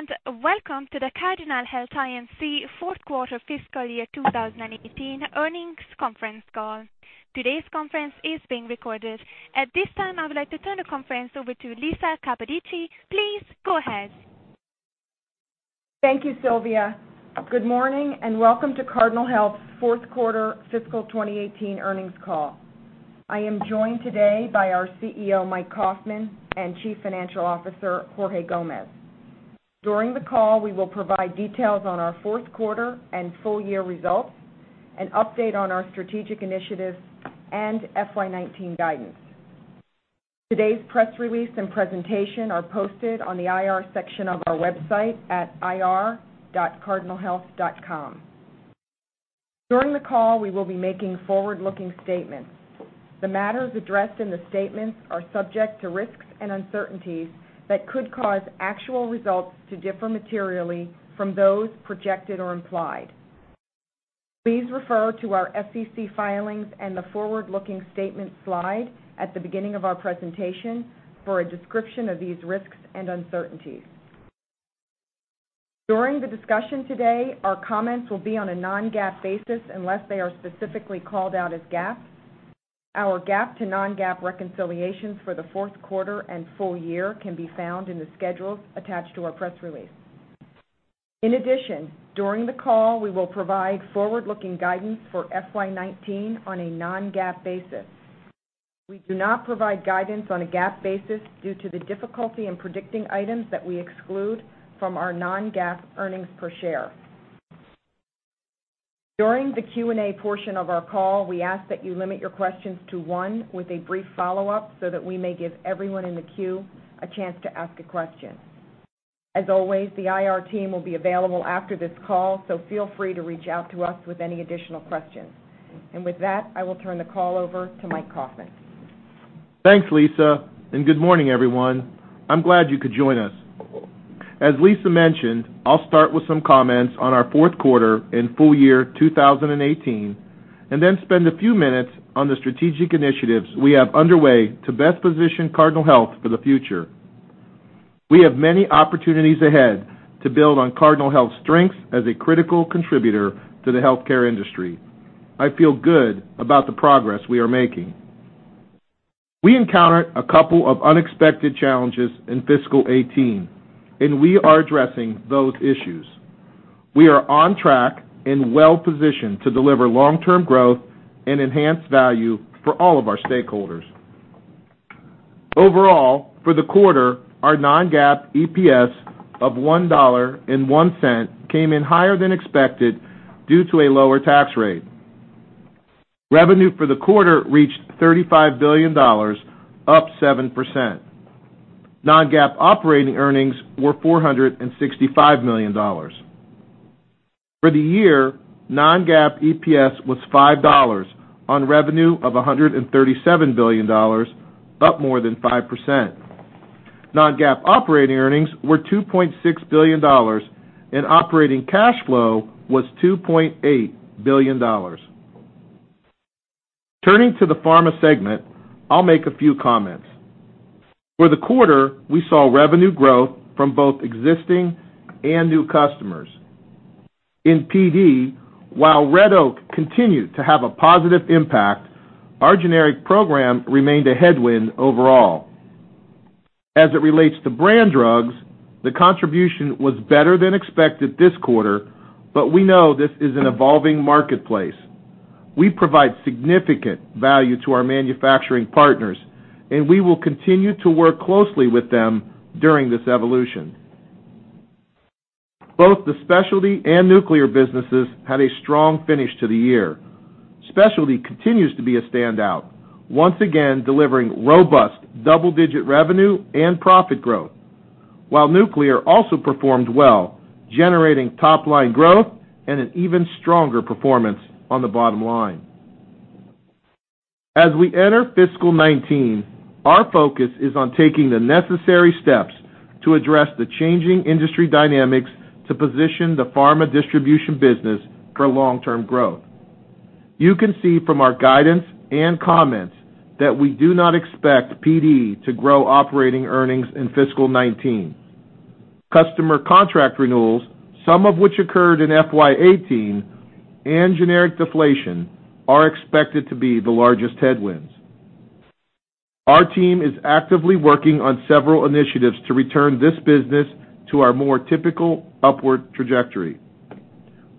Good day. Welcome to the Cardinal Health Inc. fourth quarter fiscal year 2018 earnings conference call. Today's conference is being recorded. At this time, I would like to turn the conference over to Lisa Capodici. Please go ahead. Thank you, Sylvia. Good morning. Welcome to Cardinal Health's fourth quarter fiscal 2018 earnings call. I am joined today by our CEO, Mike Kaufmann, and Chief Financial Officer, Jorge Gomez. During the call, we will provide details on our fourth quarter and full year results, an update on our strategic initiatives, and FY 2019 guidance. Today's press release and presentation are posted on the IR section of our website at ir.cardinalhealth.com. During the call, we will be making forward-looking statements. The matters addressed in the statements are subject to risks and uncertainties that could cause actual results to differ materially from those projected or implied. Please refer to our SEC filings and the forward-looking statement slide at the beginning of our presentation for a description of these risks and uncertainties. During the discussion today, our comments will be on a non-GAAP basis unless they are specifically called out as GAAP. Our GAAP to non-GAAP reconciliations for the fourth quarter and full year can be found in the schedules attached to our press release. In addition, during the call, we will provide forward-looking guidance for FY 2019 on a non-GAAP basis. We do not provide guidance on a GAAP basis due to the difficulty in predicting items that we exclude from our non-GAAP earnings per share. During the Q&A portion of our call, we ask that you limit your questions to one with a brief follow-up so that we may give everyone in the queue a chance to ask a question. As always, the IR team will be available after this call, so feel free to reach out to us with any additional questions. With that, I will turn the call over to Mike Kaufmann. Thanks, Lisa. Good morning, everyone. I'm glad you could join us. As Lisa mentioned, I'll start with some comments on our fourth quarter and full year 2018. Then spend a few minutes on the strategic initiatives we have underway to best position Cardinal Health for the future. We have many opportunities ahead to build on Cardinal Health's strengths as a critical contributor to the healthcare industry. I feel good about the progress we are making. We encountered a couple of unexpected challenges in fiscal 2018. We are addressing those issues. We are on track and well-positioned to deliver long-term growth and enhance value for all of our stakeholders. Overall, for the quarter, our non-GAAP EPS of $1.01 came in higher than expected due to a lower tax rate. Revenue for the quarter reached $35 billion, up 7%. Non-GAAP operating earnings were $465 million. For the year, non-GAAP EPS was $5 on revenue of $137 billion, up more than 5%. Non-GAAP operating earnings were $2.6 billion and operating cash flow was $2.8 billion. Turning to the pharma segment, I'll make a few comments. For the quarter, we saw revenue growth from both existing and new customers. In PD, while Red Oak continued to have a positive impact, our generic program remained a headwind overall. As it relates to brand drugs, the contribution was better than expected this quarter, but we know this is an evolving marketplace. We provide significant value to our manufacturing partners, we will continue to work closely with them during this evolution. Both the specialty and nuclear businesses had a strong finish to the year. Specialty continues to be a standout, once again delivering robust double-digit revenue and profit growth, while nuclear also performed well, generating top-line growth and an even stronger performance on the bottom line. As we enter fiscal 2019, our focus is on taking the necessary steps to address the changing industry dynamics to position the pharma distribution business for long-term growth. You can see from our guidance and comments that we do not expect PD to grow operating earnings in fiscal 2019. Customer contract renewals, some of which occurred in FY 2018, and generic deflation are expected to be the largest headwinds. Our team is actively working on several initiatives to return this business to our more typical upward trajectory.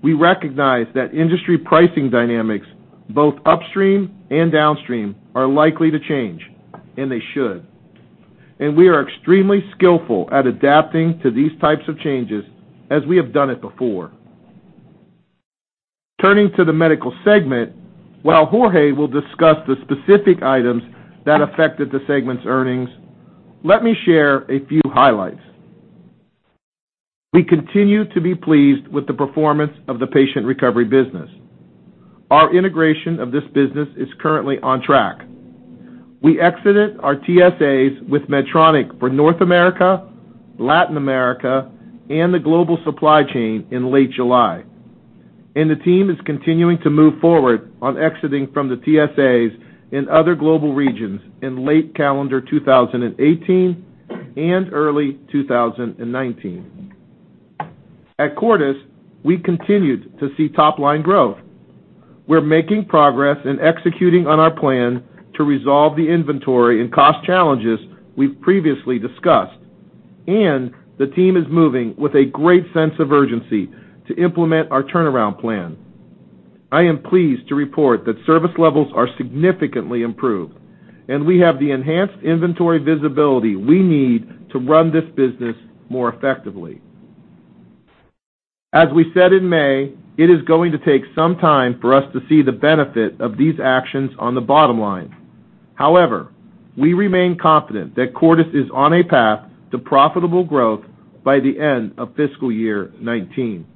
We recognize that industry pricing dynamics, both upstream and downstream, are likely to change, they should. We are extremely skillful at adapting to these types of changes as we have done it before. Turning to the medical segment, while Jorge Gomez will discuss the specific items that affected the segment's earnings, let me share a few highlights. We continue to be pleased with the performance of the Patient Recovery business. Our integration of this business is currently on track. We exited our TSAs with Medtronic for North America, Latin America, and the global supply chain in late July. The team is continuing to move forward on exiting from the TSAs in other global regions in late calendar 2018 and early 2019. At Cordis, we continued to see top-line growth. We're making progress in executing on our plan to resolve the inventory and cost challenges we've previously discussed, the team is moving with a great sense of urgency to implement our turnaround plan. I am pleased to report that service levels are significantly improved, and we have the enhanced inventory visibility we need to run this business more effectively. As we said in May, it is going to take some time for us to see the benefit of these actions on the bottom line. However, we remain confident that Cordis is on a path to profitable growth by the end of fiscal year 2019.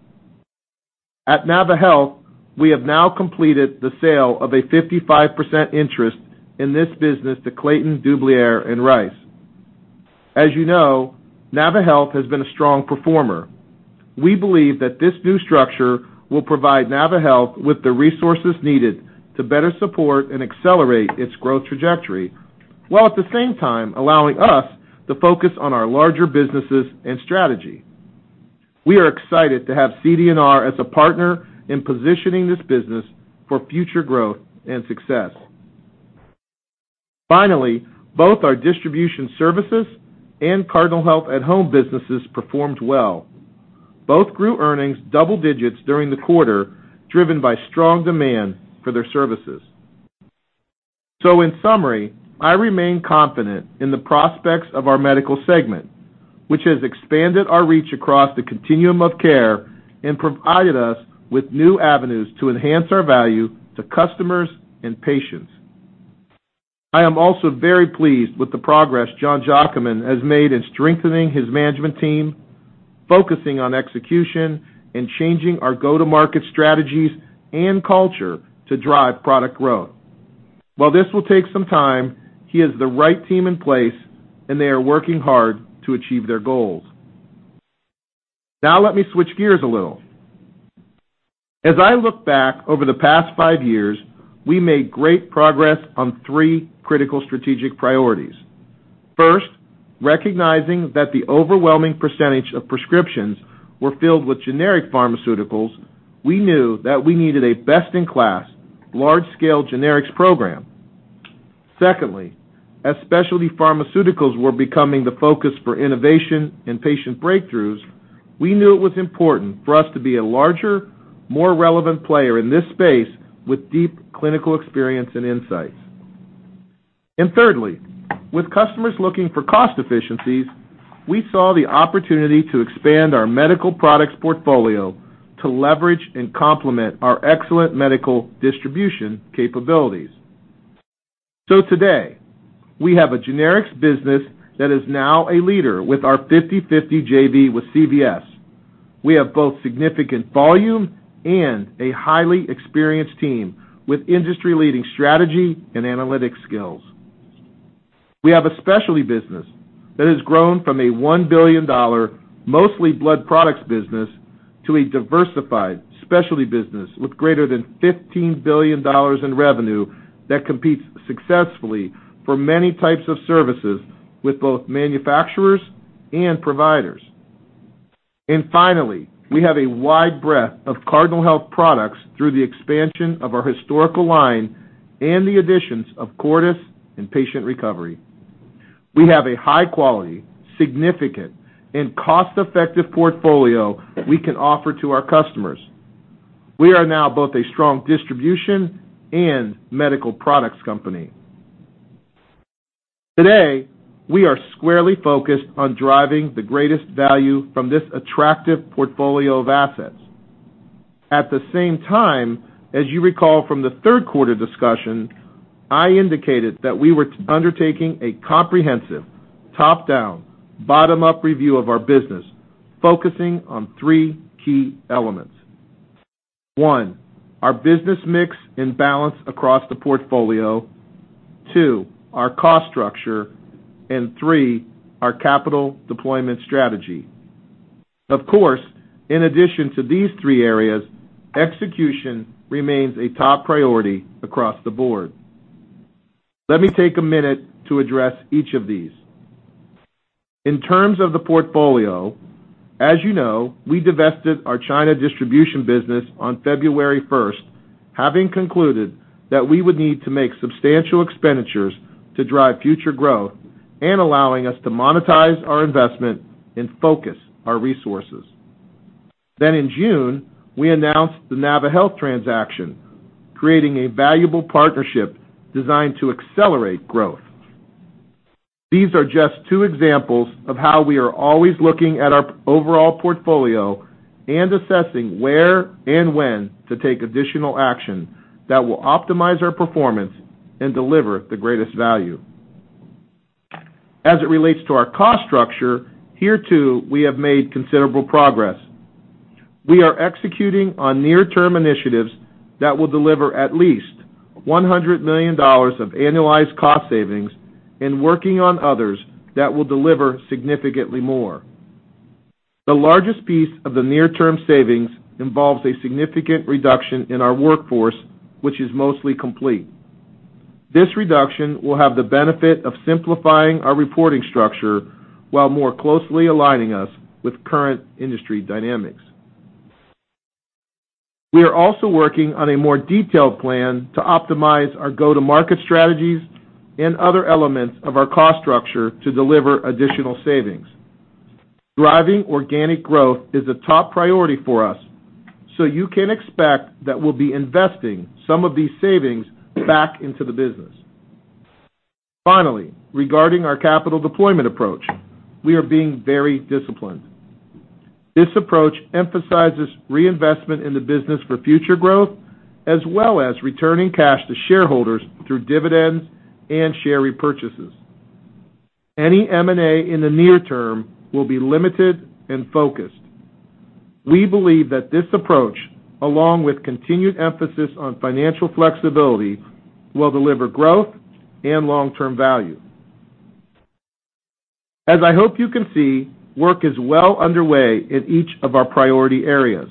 At naviHealth, we have now completed the sale of a 55% interest in this business to Clayton, Dubilier & Rice. As you know, naviHealth has been a strong performer. We believe that this new structure will provide naviHealth with the resources needed to better support and accelerate its growth trajectory, while at the same time allowing us to focus on our larger businesses and strategy. We are excited to have CD&R as a partner in positioning this business for future growth and success. Finally, both our distribution services and Cardinal Health at-Home businesses performed well. Both grew earnings double-digits during the quarter, driven by strong demand for their services. In summary, I remain confident in the prospects of our medical segment, which has expanded our reach across the continuum of care and provided us with new avenues to enhance our value to customers and patients. I am also very pleased with the progress Jon Giacomin has made in strengthening his management team, focusing on execution, and changing our go-to-market strategies and culture to drive product growth. While this will take some time, he has the right team in place, and they are working hard to achieve their goals. Let me switch gears a little. As I look back over the past five years, we made great progress on three critical strategic priorities. Recognizing that the overwhelming percentage of prescriptions were filled with generic pharmaceuticals, we knew that we needed a best-in-class, large-scale generics program. As specialty pharmaceuticals were becoming the focus for innovation and patient breakthroughs, we knew it was important for us to be a larger, more relevant player in this space with deep clinical experience and insights. With customers looking for cost efficiencies, we saw the opportunity to expand our medical products portfolio to leverage and complement our excellent medical distribution capabilities. Today, we have a generics business that is now a leader with our 50/50 JV with CVS. We have both significant volume and a highly experienced team with industry-leading strategy and analytic skills. We have a specialty business that has grown from a $1 billion, mostly blood products business, to a diversified specialty business with greater than $15 billion in revenue that competes successfully for many types of services with both manufacturers and providers. Finally, we have a wide breadth of Cardinal Health products through the expansion of our historical line and the additions of Cordis and Patient Recovery. We have a high-quality, significant, and cost-effective portfolio we can offer to our customers. We are now both a strong distribution and medical products company. Today, we are squarely focused on driving the greatest value from this attractive portfolio of assets. At the same time, as you recall from the third quarter discussion, I indicated that we were undertaking a comprehensive top-down, bottom-up review of our business, focusing on three key elements. Our business mix and balance across the portfolio. Our cost structure. Our capital deployment strategy. Of course, in addition to these three areas, execution remains a top priority across the board. Let me take a minute to address each of these. In terms of the portfolio, as you know, we divested our China distribution business on February 1st, having concluded that we would need to make substantial expenditures to drive future growth and allowing us to monetize our investment and focus our resources. Then in June, we announced the naviHealth transaction, creating a valuable partnership designed to accelerate growth. These are just two examples of how we are always looking at our overall portfolio and assessing where and when to take additional action that will optimize our performance and deliver the greatest value. As it relates to our cost structure, here too, we have made considerable progress. We are executing on near-term initiatives that will deliver at least $100 million of annualized cost savings and working on others that will deliver significantly more. The largest piece of the near-term savings involves a significant reduction in our workforce, which is mostly complete. This reduction will have the benefit of simplifying our reporting structure while more closely aligning us with current industry dynamics. We are also working on a more detailed plan to optimize our go-to-market strategies and other elements of our cost structure to deliver additional savings. Driving organic growth is a top priority for us. You can expect that we'll be investing some of these savings back into the business. Finally, regarding our capital deployment approach, we are being very disciplined. This approach emphasizes reinvestment in the business for future growth, as well as returning cash to shareholders through dividends and share repurchases. Any M&A in the near term will be limited and focused. We believe that this approach, along with continued emphasis on financial flexibility, will deliver growth and long-term value. As I hope you can see, work is well underway in each of our priority areas.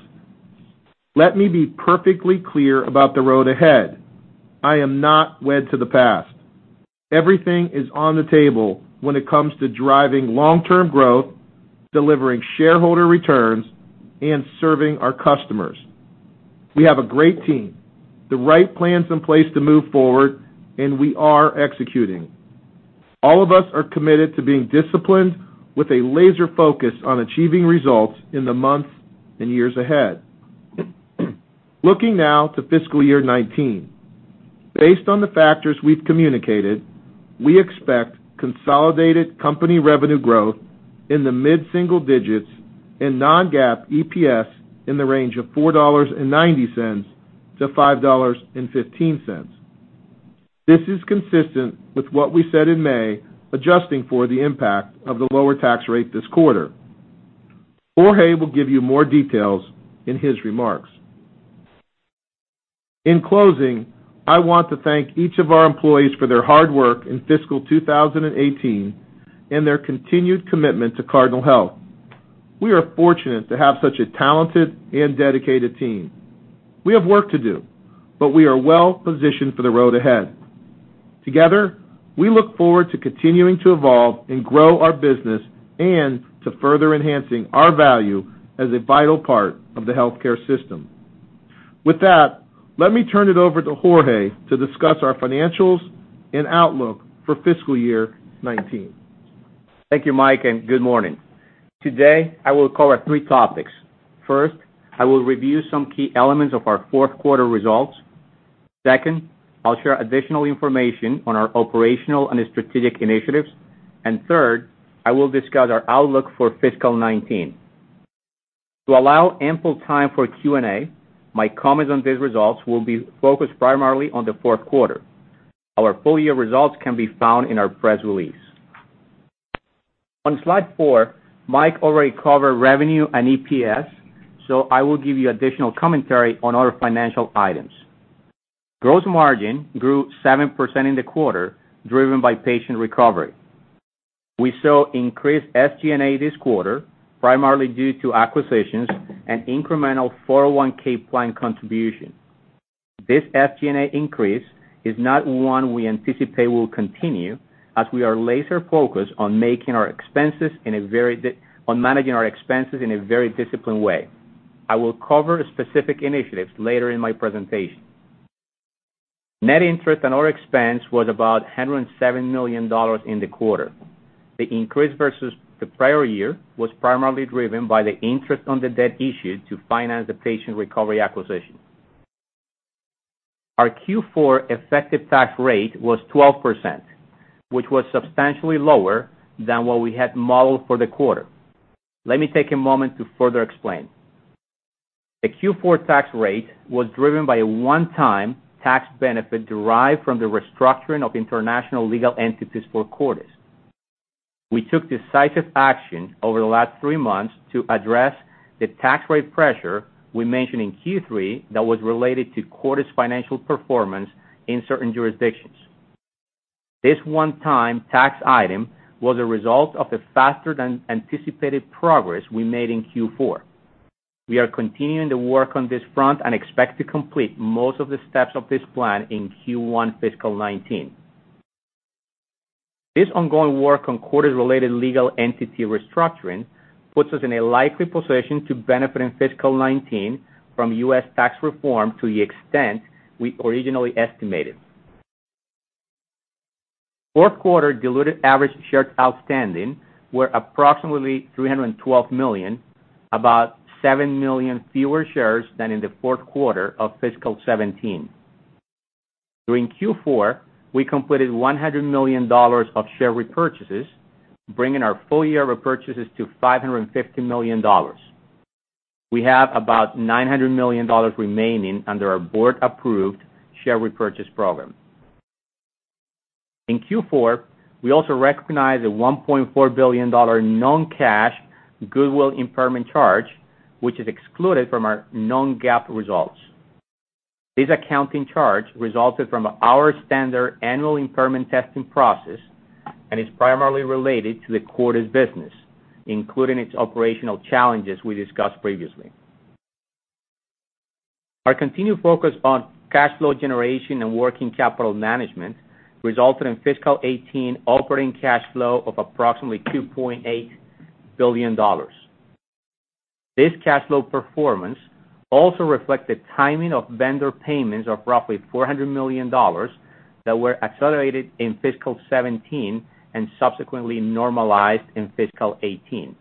Let me be perfectly clear about the road ahead. I am not wed to the past. Everything is on the table when it comes to driving long-term growth, delivering shareholder returns, and serving our customers. We have a great team, the right plans in place to move forward, and we are executing. All of us are committed to being disciplined with a laser focus on achieving results in the months and years ahead. Looking now to fiscal year 2019. Based on the factors we've communicated, we expect consolidated company revenue growth in the low-single digits and non-GAAP EPS in the range of $4.90 to $5.15. This is consistent with what we said in May, adjusting for the impact of the lower tax rate this quarter. Jorge will give you more details in his remarks. In closing, I want to thank each of our employees for their hard work in fiscal 2018 and their continued commitment to Cardinal Health. We are fortunate to have such a talented and dedicated team. We have work to do, but we are well positioned for the road ahead. Together, we look forward to continuing to evolve and grow our business and to further enhancing our value as a vital part of the healthcare system. With that, let me turn it over to Jorge to discuss our financials and outlook for fiscal year 2019. Thank you, Mike. Good morning. Today, I will cover three topics. First, I will review some key elements of our fourth quarter results. Second, I'll share additional information on our operational and strategic initiatives. Third, I will discuss our outlook for fiscal 2019. To allow ample time for Q&A, my comments on these results will be focused primarily on the fourth quarter. Our full-year results can be found in our press release. On slide four, Mike already covered revenue and EPS. I will give you additional commentary on other financial items. Gross margin grew 7% in the quarter, driven by Patient Recovery. We saw increased SG&A this quarter, primarily due to acquisitions and incremental 401(k) plan contribution. This SG&A increase is not one we anticipate will continue as we are laser focused on managing our expenses in a very disciplined way. I will cover specific initiatives later in my presentation. Net interest and other expense was about $107 million in the quarter. The increase versus the prior year was primarily driven by the interest on the debt issued to finance the Patient Recovery acquisition. Our Q4 effective tax rate was 12%, which was substantially lower than what we had modeled for the quarter. Let me take a moment to further explain. The Q4 tax rate was driven by a one-time tax benefit derived from the restructuring of international legal entities for Cordis. We took decisive action over the last three months to address the tax rate pressure we mentioned in Q3 that was related to Cordis' financial performance in certain jurisdictions. This one-time tax item was a result of the faster than anticipated progress we made in Q4. We are continuing to work on this front. Expect to complete most of the steps of this plan in Q1 fiscal 2019. This ongoing work on Cordis-related legal entity restructuring puts us in a likely position to benefit in fiscal 2019 from U.S. tax reform to the extent we originally estimated. Fourth quarter diluted average shares outstanding were approximately 312 million, about seven million fewer shares than in the fourth quarter of fiscal 2017. During Q4, we completed $100 million of share repurchases, bringing our full-year repurchases to $550 million. We have about $900 million remaining under our board-approved share repurchase program. In Q4, we also recognized a $1.4 billion non-cash goodwill impairment charge, which is excluded from our non-GAAP results. This accounting charge resulted from our standard annual impairment testing process and is primarily related to the Cordis business, including its operational challenges we discussed previously. Our continued focus on cash flow generation and working capital management resulted in fiscal 2018 operating cash flow of approximately $2.8 billion. This cash flow performance also reflects the timing of vendor payments of roughly $400 million that were accelerated in fiscal 2017 and subsequently normalized in fiscal 2018.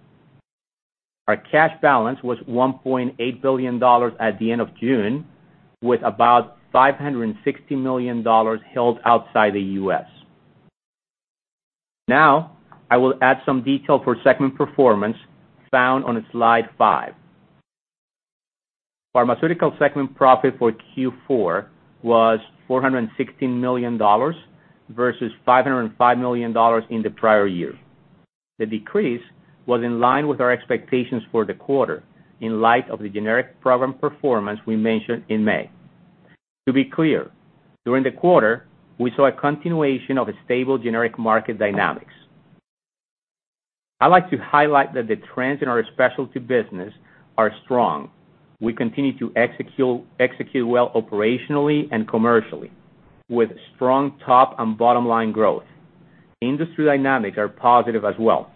Our cash balance was $1.8 billion at the end of June, with about $560 million held outside the U.S. I will add some detail for segment performance found on slide five. Pharmaceutical segment profit for Q4 was $416 million versus $505 million in the prior year. The decrease was in line with our expectations for the quarter in light of the generic program performance we mentioned in May. To be clear, during the quarter, we saw a continuation of stable generic market dynamics. I'd like to highlight that the trends in our specialty business are strong. We continue to execute well operationally and commercially with strong top and bottom-line growth. Industry dynamics are positive as well.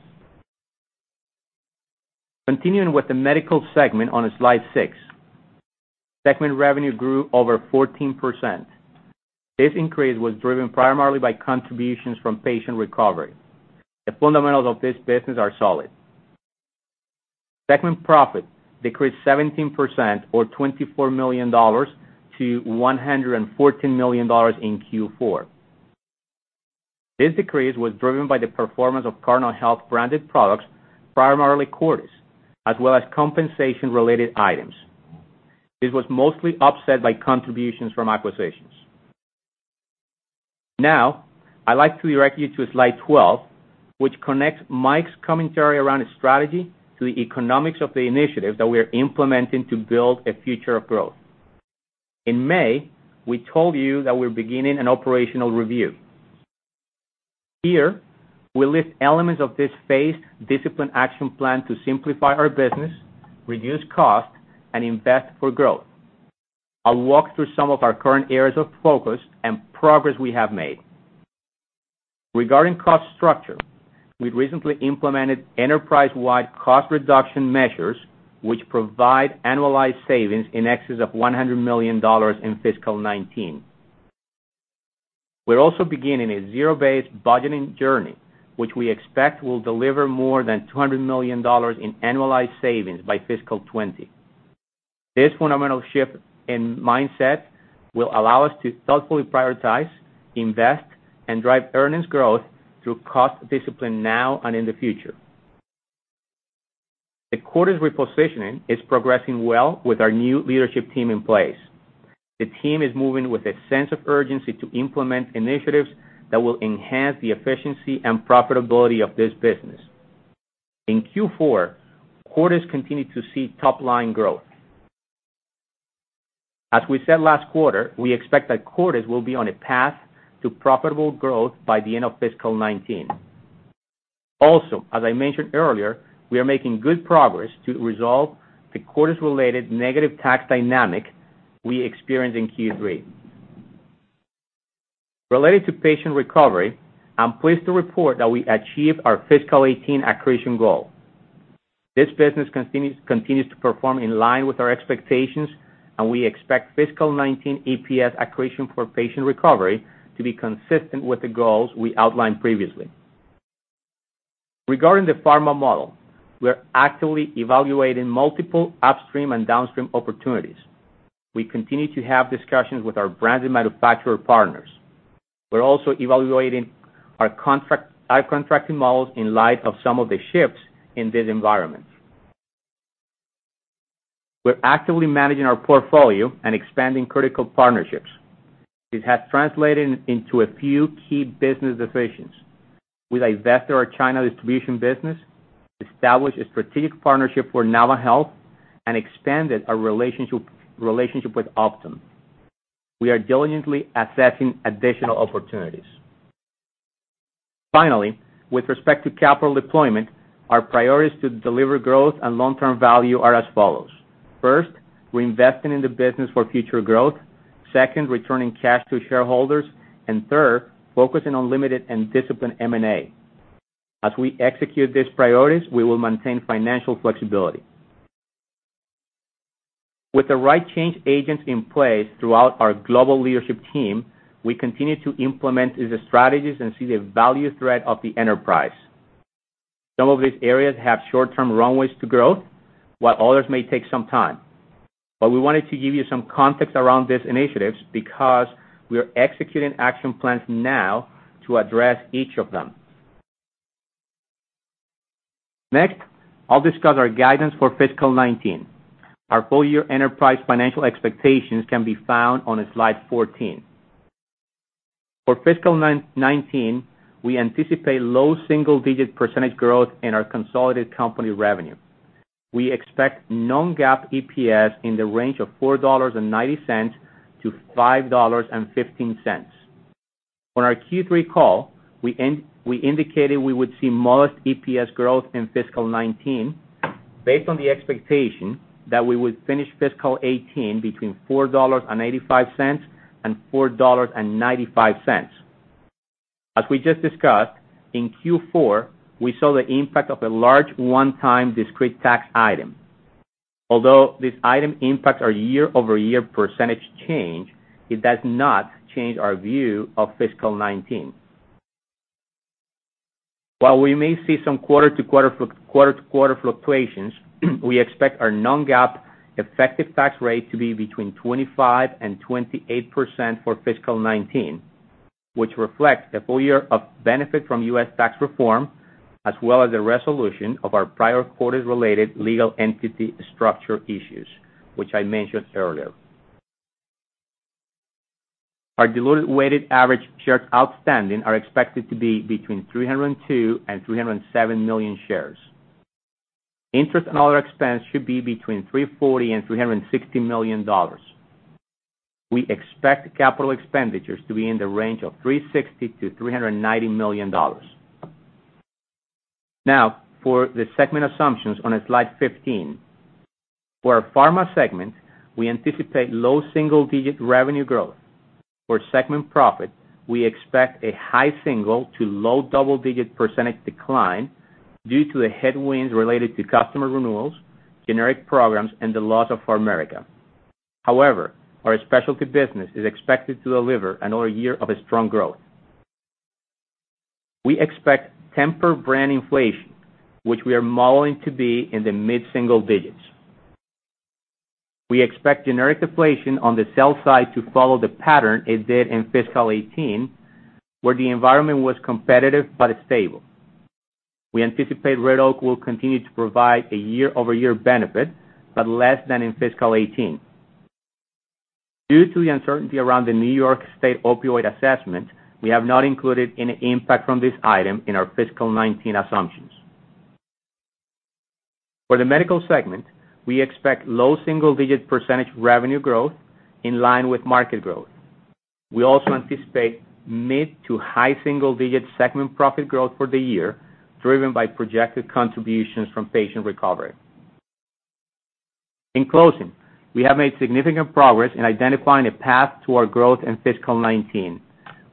Continuing with the Medical Segment on slide six. Segment revenue grew over 14%. This increase was driven primarily by contributions from Patient Recovery. The fundamentals of this business are solid. Segment profit decreased 17%, or $24 million, to $114 million in Q4. This decrease was driven by the performance of Cardinal Health-branded products, primarily Cordis, as well as compensation-related items. This was mostly offset by contributions from acquisitions. I'd like to direct you to slide 12, which connects Mike's commentary around strategy to the economics of the initiatives that we are implementing to build a future of growth. In May, we told you that we're beginning an operational review. Here, we list elements of this phased, disciplined action plan to simplify our business, reduce costs, and invest for growth. I'll walk through some of our current areas of focus and progress we have made. Regarding cost structure, we've recently implemented enterprise-wide cost reduction measures, which provide annualized savings in excess of $100 million in fiscal 2019. We're also beginning a zero-based budgeting journey, which we expect will deliver more than $200 million in annualized savings by fiscal 2020. This fundamental shift in mindset will allow us to thoughtfully prioritize, invest, and drive earnings growth through cost discipline now and in the future. The quarter's repositioning is progressing well with our new leadership team in place. The team is moving with a sense of urgency to implement initiatives that will enhance the efficiency and profitability of this business. In Q4, Cordis continued to see top-line growth. As we said last quarter, we expect that Cordis will be on a path to profitable growth by the end of fiscal 2019. As I mentioned earlier, we are making good progress to resolve the Cordis-related negative tax dynamic we experienced in Q3. Related to Patient Recovery, I'm pleased to report that we achieved our fiscal 2018 accretion goal. This business continues to perform in line with our expectations, and we expect fiscal 2019 EPS accretion for Patient Recovery to be consistent with the goals we outlined previously. Regarding the pharma model, we are actively evaluating multiple upstream and downstream opportunities. We continue to have discussions with our branded manufacturer partners. We're also evaluating our contracting models in light of some of the shifts in this environment. We're actively managing our portfolio and expanding critical partnerships. This has translated into a few key business decisions. We divested our China distribution business, established a strategic partnership for naviHealth, and expanded our relationship with Optum. We are diligently assessing additional opportunities. Finally, with respect to capital deployment, our priorities to deliver growth and long-term value are as follows. First, we're investing in the business for future growth. Second, returning cash to shareholders. Third, focusing on limited and disciplined M&A. As we execute these priorities, we will maintain financial flexibility. With the right change agents in place throughout our global leadership team, we continue to implement these strategies and see the value thread of the enterprise. Some of these areas have short-term runways to growth, while others may take some time. We wanted to give you some context around these initiatives because we are executing action plans now to address each of them. Next, I'll discuss our guidance for fiscal 2019. Our full-year enterprise financial expectations can be found on slide 14. For fiscal 2019, we anticipate low single-digit % growth in our consolidated company revenue. We expect non-GAAP EPS in the range of $4.90-$5.15. On our Q3 call, we indicated we would see modest EPS growth in fiscal 2019, based on the expectation that we would finish fiscal 2018 between $4.85 and $4.95. As we just discussed, in Q4, we saw the impact of a large one-time discrete tax item. Although this item impacts our year-over-year % change, it does not change our view of fiscal 2019. While we may see some quarter-to-quarter fluctuations, we expect our non-GAAP effective tax rate to be between 25%-28% for fiscal 2019, which reflects a full year of benefit from U.S. tax reform, as well as the resolution of our prior quarter's related legal entity structure issues, which I mentioned earlier. Our diluted weighted average shares outstanding are expected to be between 302 and 307 million shares. Interest and other expense should be between $340 million and $360 million. We expect capital expenditures to be in the range of $360 million to $390 million. For the segment assumptions on slide 15. For our pharma segment, we anticipate low single-digit revenue growth. For segment profit, we expect a high single to low double-digit % decline due to the headwinds related to customer renewals, generic programs, and the loss of PharMerica. Our specialty business is expected to deliver another year of strong growth. We expect tempered brand inflation, which we are modeling to be in the mid-single digits. We expect generic deflation on the sell side to follow the pattern it did in fiscal 2018, where the environment was competitive but stable. We anticipate Red Oak will continue to provide a year-over-year benefit, less than in fiscal 2018. Due to the uncertainty around the New York State opioid assessment, we have not included any impact from this item in our fiscal 2019 assumptions. For the medical segment, we expect low single-digit % revenue growth in line with market growth. We also anticipate mid to high single-digit segment profit growth for the year, driven by projected contributions from Patient Recovery. In closing, we have made significant progress in identifying a path to our growth in fiscal 2019.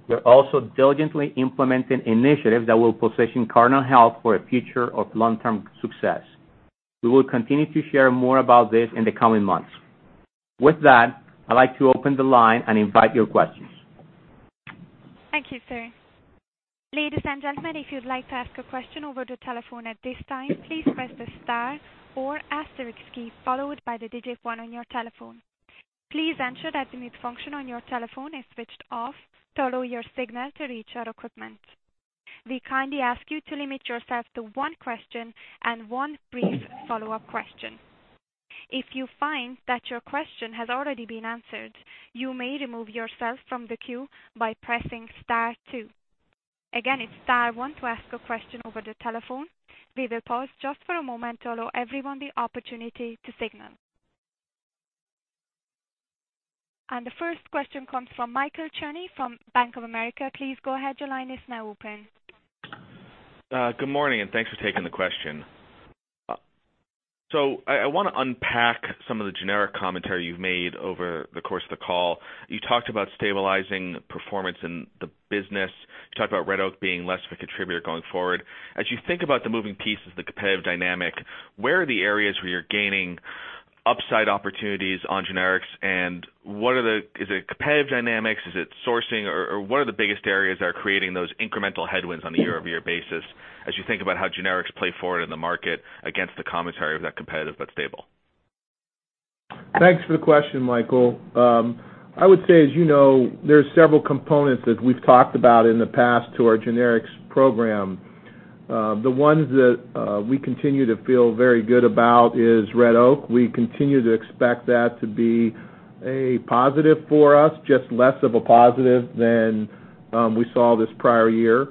We're also diligently implementing initiatives that will position Cardinal Health for a future of long-term success. We will continue to share more about this in the coming months. With that, I'd like to open the line and invite your questions. Thank you, sir. Ladies and gentlemen, if you'd like to ask a question over the telephone at this time, please press the star or asterisk key, followed by the digit 1 on your telephone. Please ensure that the mute function on your telephone is switched off to allow your signal to reach our equipment. We kindly ask you to limit yourself to one question and one brief follow-up question. If you find that your question has already been answered, you may remove yourself from the queue by pressing star 2. Again, it's star 1 to ask a question over the telephone. We will pause just for a moment to allow everyone the opportunity to signal. The first question comes from Michael Cherny from Bank of America. Please go ahead. Your line is now open. Good morning, thanks for taking the question. I want to unpack some of the generic commentary you've made over the course of the call. You talked about stabilizing performance in the business. You talked about Red Oak being less of a contributor going forward. As you think about the moving pieces, the competitive dynamic, where are the areas where you're gaining upside opportunities on generics, is it competitive dynamics? Is it sourcing? What are the biggest areas that are creating those incremental headwinds on a year-over-year basis as you think about how generics play forward in the market against the commentary of that competitive but stable? Thanks for the question, Michael. I would say, as you know, there are several components that we've talked about in the past to our generics program. The ones that we continue to feel very good about is Red Oak. We continue to expect that to be a positive for us, just less of a positive than we saw this prior year.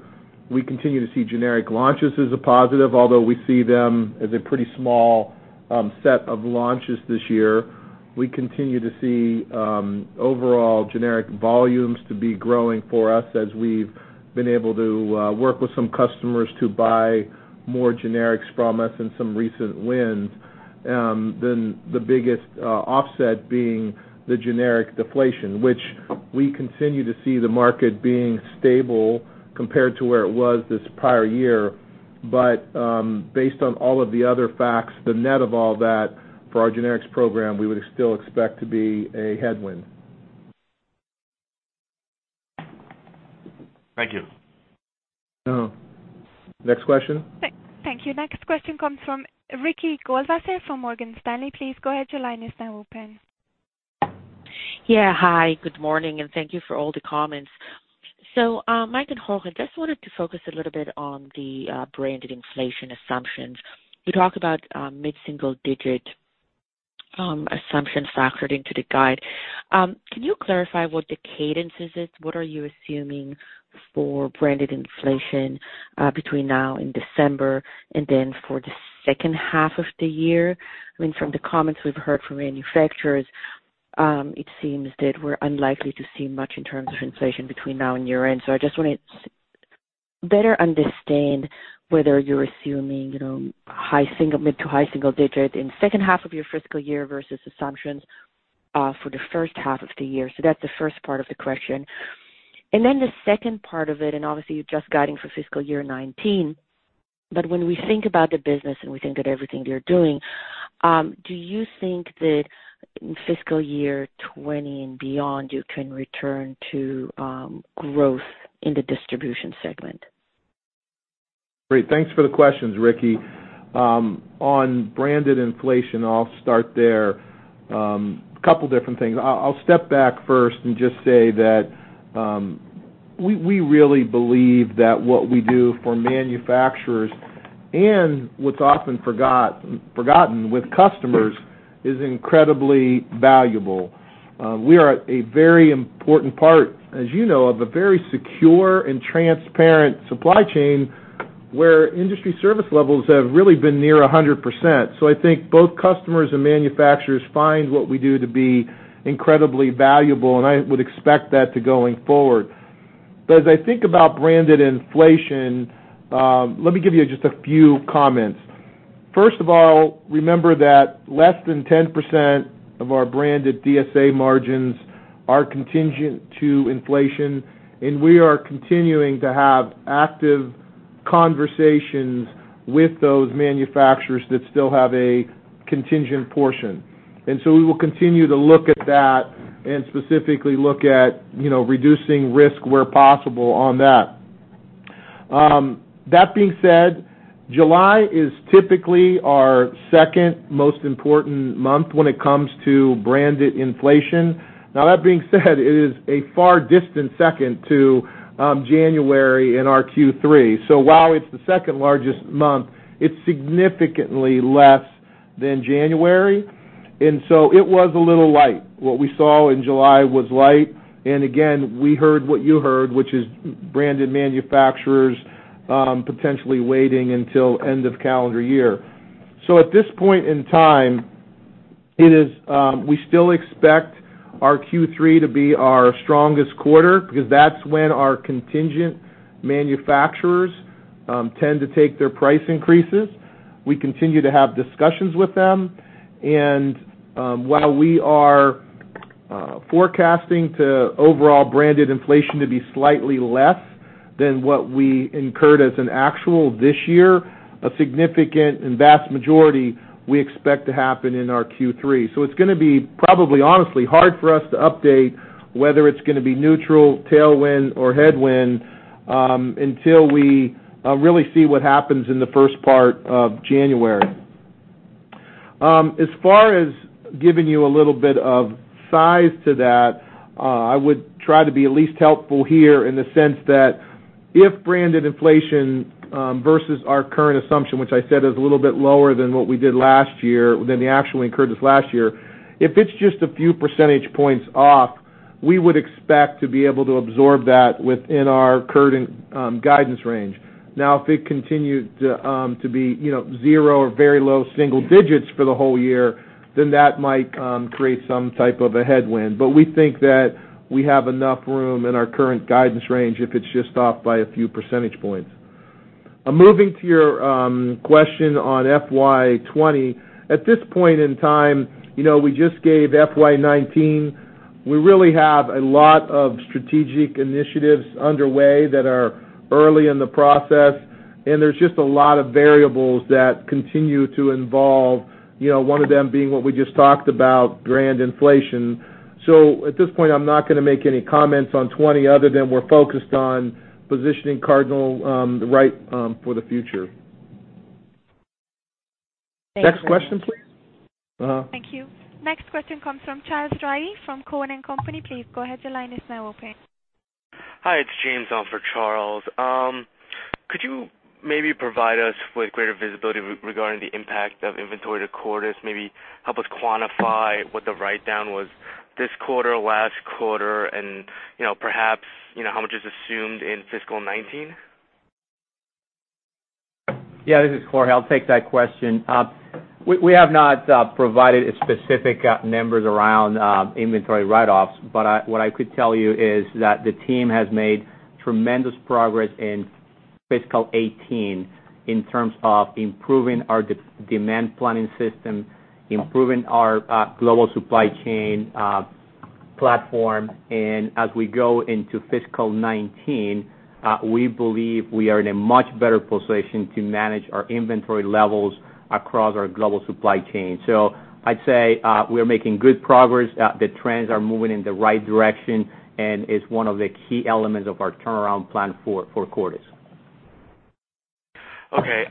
We continue to see generic launches as a positive, although we see them as a pretty small set of launches this year. We continue to see overall generic volumes to be growing for us as we've been able to work with some customers to buy more generics from us and some recent wins. The biggest offset being the generic deflation, which we continue to see the market being stable compared to where it was this prior year. Based on all of the other facts, the net of all that for our generics program, we would still expect to be a headwind. Thank you. Next question. Thank you. Next question comes from Ricky Goldwasser from Morgan Stanley. Please go ahead, your line is now open. Yeah. Hi, good morning, and thank you for all the comments. Mike and Jorge, I just wanted to focus a little bit on the branded inflation assumptions. You talked about mid-single-digit assumption factored into the guide. Can you clarify what the cadence is? What are you assuming for branded inflation between now and December and then for the second half of the year? From the comments we've heard from manufacturers, it seems that we're unlikely to see much in terms of inflation between now and year-end. I just wanted to better understand whether you're assuming mid to high single digit in the second half of your fiscal year versus assumptions for the first half of the year. That's the first part of the question. The second part of it, obviously you're just guiding for fiscal year 2019, when we think about the business and we think about everything that you're doing, do you think that in fiscal year 2020 and beyond, you can return to growth in the distribution segment? Great. Thanks for the questions, Ricky. On branded inflation, I'll start there. A couple different things. I'll step back first and just say that, we really believe that what we do for manufacturers and what's often forgotten with customers is incredibly valuable. We are a very important part, as you know, of a very secure and transparent supply chain, where industry service levels have really been near 100%. I think both customers and manufacturers find what we do to be incredibly valuable, and I would expect that to going forward. As I think about branded inflation, let me give you just a few comments. First of all, remember that less than 10% of our branded DSA margins are contingent to inflation, and we are continuing to have active conversations with those manufacturers that still have a contingent portion. We will continue to look at that and specifically look at reducing risk where possible on that. That being said, July is typically our second most important month when it comes to branded inflation. That being said, it is a far distant second to January and our Q3. While it's the second-largest month, it's significantly less than January. It was a little light. What we saw in July was light, and again, we heard what you heard, which is branded manufacturers potentially waiting until end of calendar year. At this point in time, we still expect our Q3 to be our strongest quarter because that's when our contingent manufacturers tend to take their price increases. We continue to have discussions with them, while we are forecasting to overall branded inflation to be slightly less than what we incurred as an actual this year, a significant and vast majority we expect to happen in our Q3. It's going to be probably, honestly, hard for us to update whether it's going to be neutral, tailwind, or headwind, until we really see what happens in the first part of January. As far as giving you a little bit of size to that, I would try to be at least helpful here in the sense that if branded inflation versus our current assumption, which I said is a little bit lower than what we did last year, than the actual incurred this last year, if it's just a few percentage points off, we would expect to be able to absorb that within our current guidance range. If it continued to be zero or very low single digits for the whole year, then that might create some type of a headwind. We think that we have enough room in our current guidance range if it's just off by a few percentage points. Moving to your question on FY 2020. At this point in time, we just gave FY 2019. We really have a lot of strategic initiatives underway that are early in the process, there's just a lot of variables that continue to involve, one of them being what we just talked about, brand inflation. At this point, I'm not going to make any comments on 2020 other than we're focused on positioning Cardinal right for the future. Thanks. Next question, please? Thank you. Next question comes from Charles Rhyee from Cowen and Company. Please go ahead. Your line is now open. Hi, it's James on for Charles. Could you maybe provide us with greater visibility regarding the impact of inventory to Cordis? Maybe help us quantify what the write-down was this quarter, last quarter, and perhaps, how much is assumed in fiscal 2019? Yeah, this is Jorge. I'll take that question. We have not provided specific numbers around inventory write-offs, but what I could tell you is that the team has made tremendous progress in fiscal 2018 in terms of improving our demand planning system, improving our global supply chain platform. As we go into fiscal 2019, we believe we are in a much better position to manage our inventory levels across our global supply chain. I'd say, we're making good progress. The trends are moving in the right direction, it's one of the key elements of our turnaround plan for Cordis. Okay.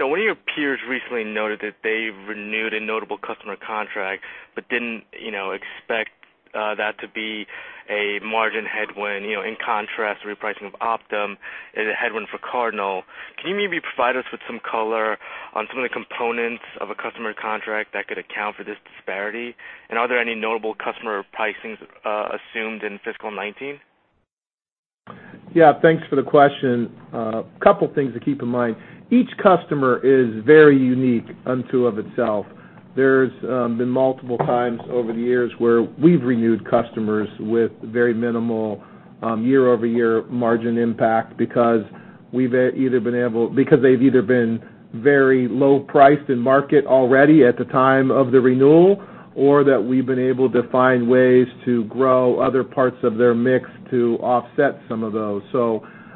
One of your peers recently noted that they renewed a notable customer contract, but didn't expect that to be a margin headwind, in contrast to the repricing of Optum is a headwind for Cardinal. Can you maybe provide us with some color on some of the components of a customer contract that could account for this disparity? Are there any notable customer pricings assumed in fiscal 2019? Thanks for the question. A couple things to keep in mind. Each customer is very unique unto itself. There's been multiple times over the years where we've renewed customers with very minimal year-over-year margin impact, because they've either been very low priced in market already at the time of the renewal, or that we've been able to find ways to grow other parts of their mix to offset some of those.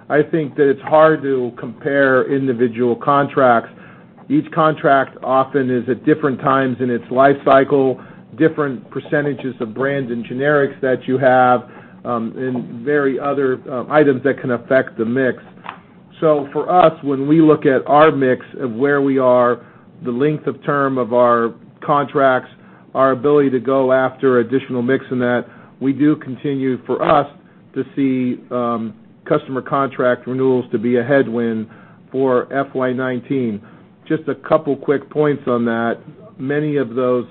I think that it's hard to compare individual contracts. Each contract often is at different times in its life cycle, different percentages of brands and generics that you have, and very other items that can affect the mix. For us, when we look at our mix of where we are, the length of term of our contracts, our ability to go after additional mix in that, we do continue for us to see customer contract renewals to be a headwind for FY 2019. Just a couple quick points on that. Many of those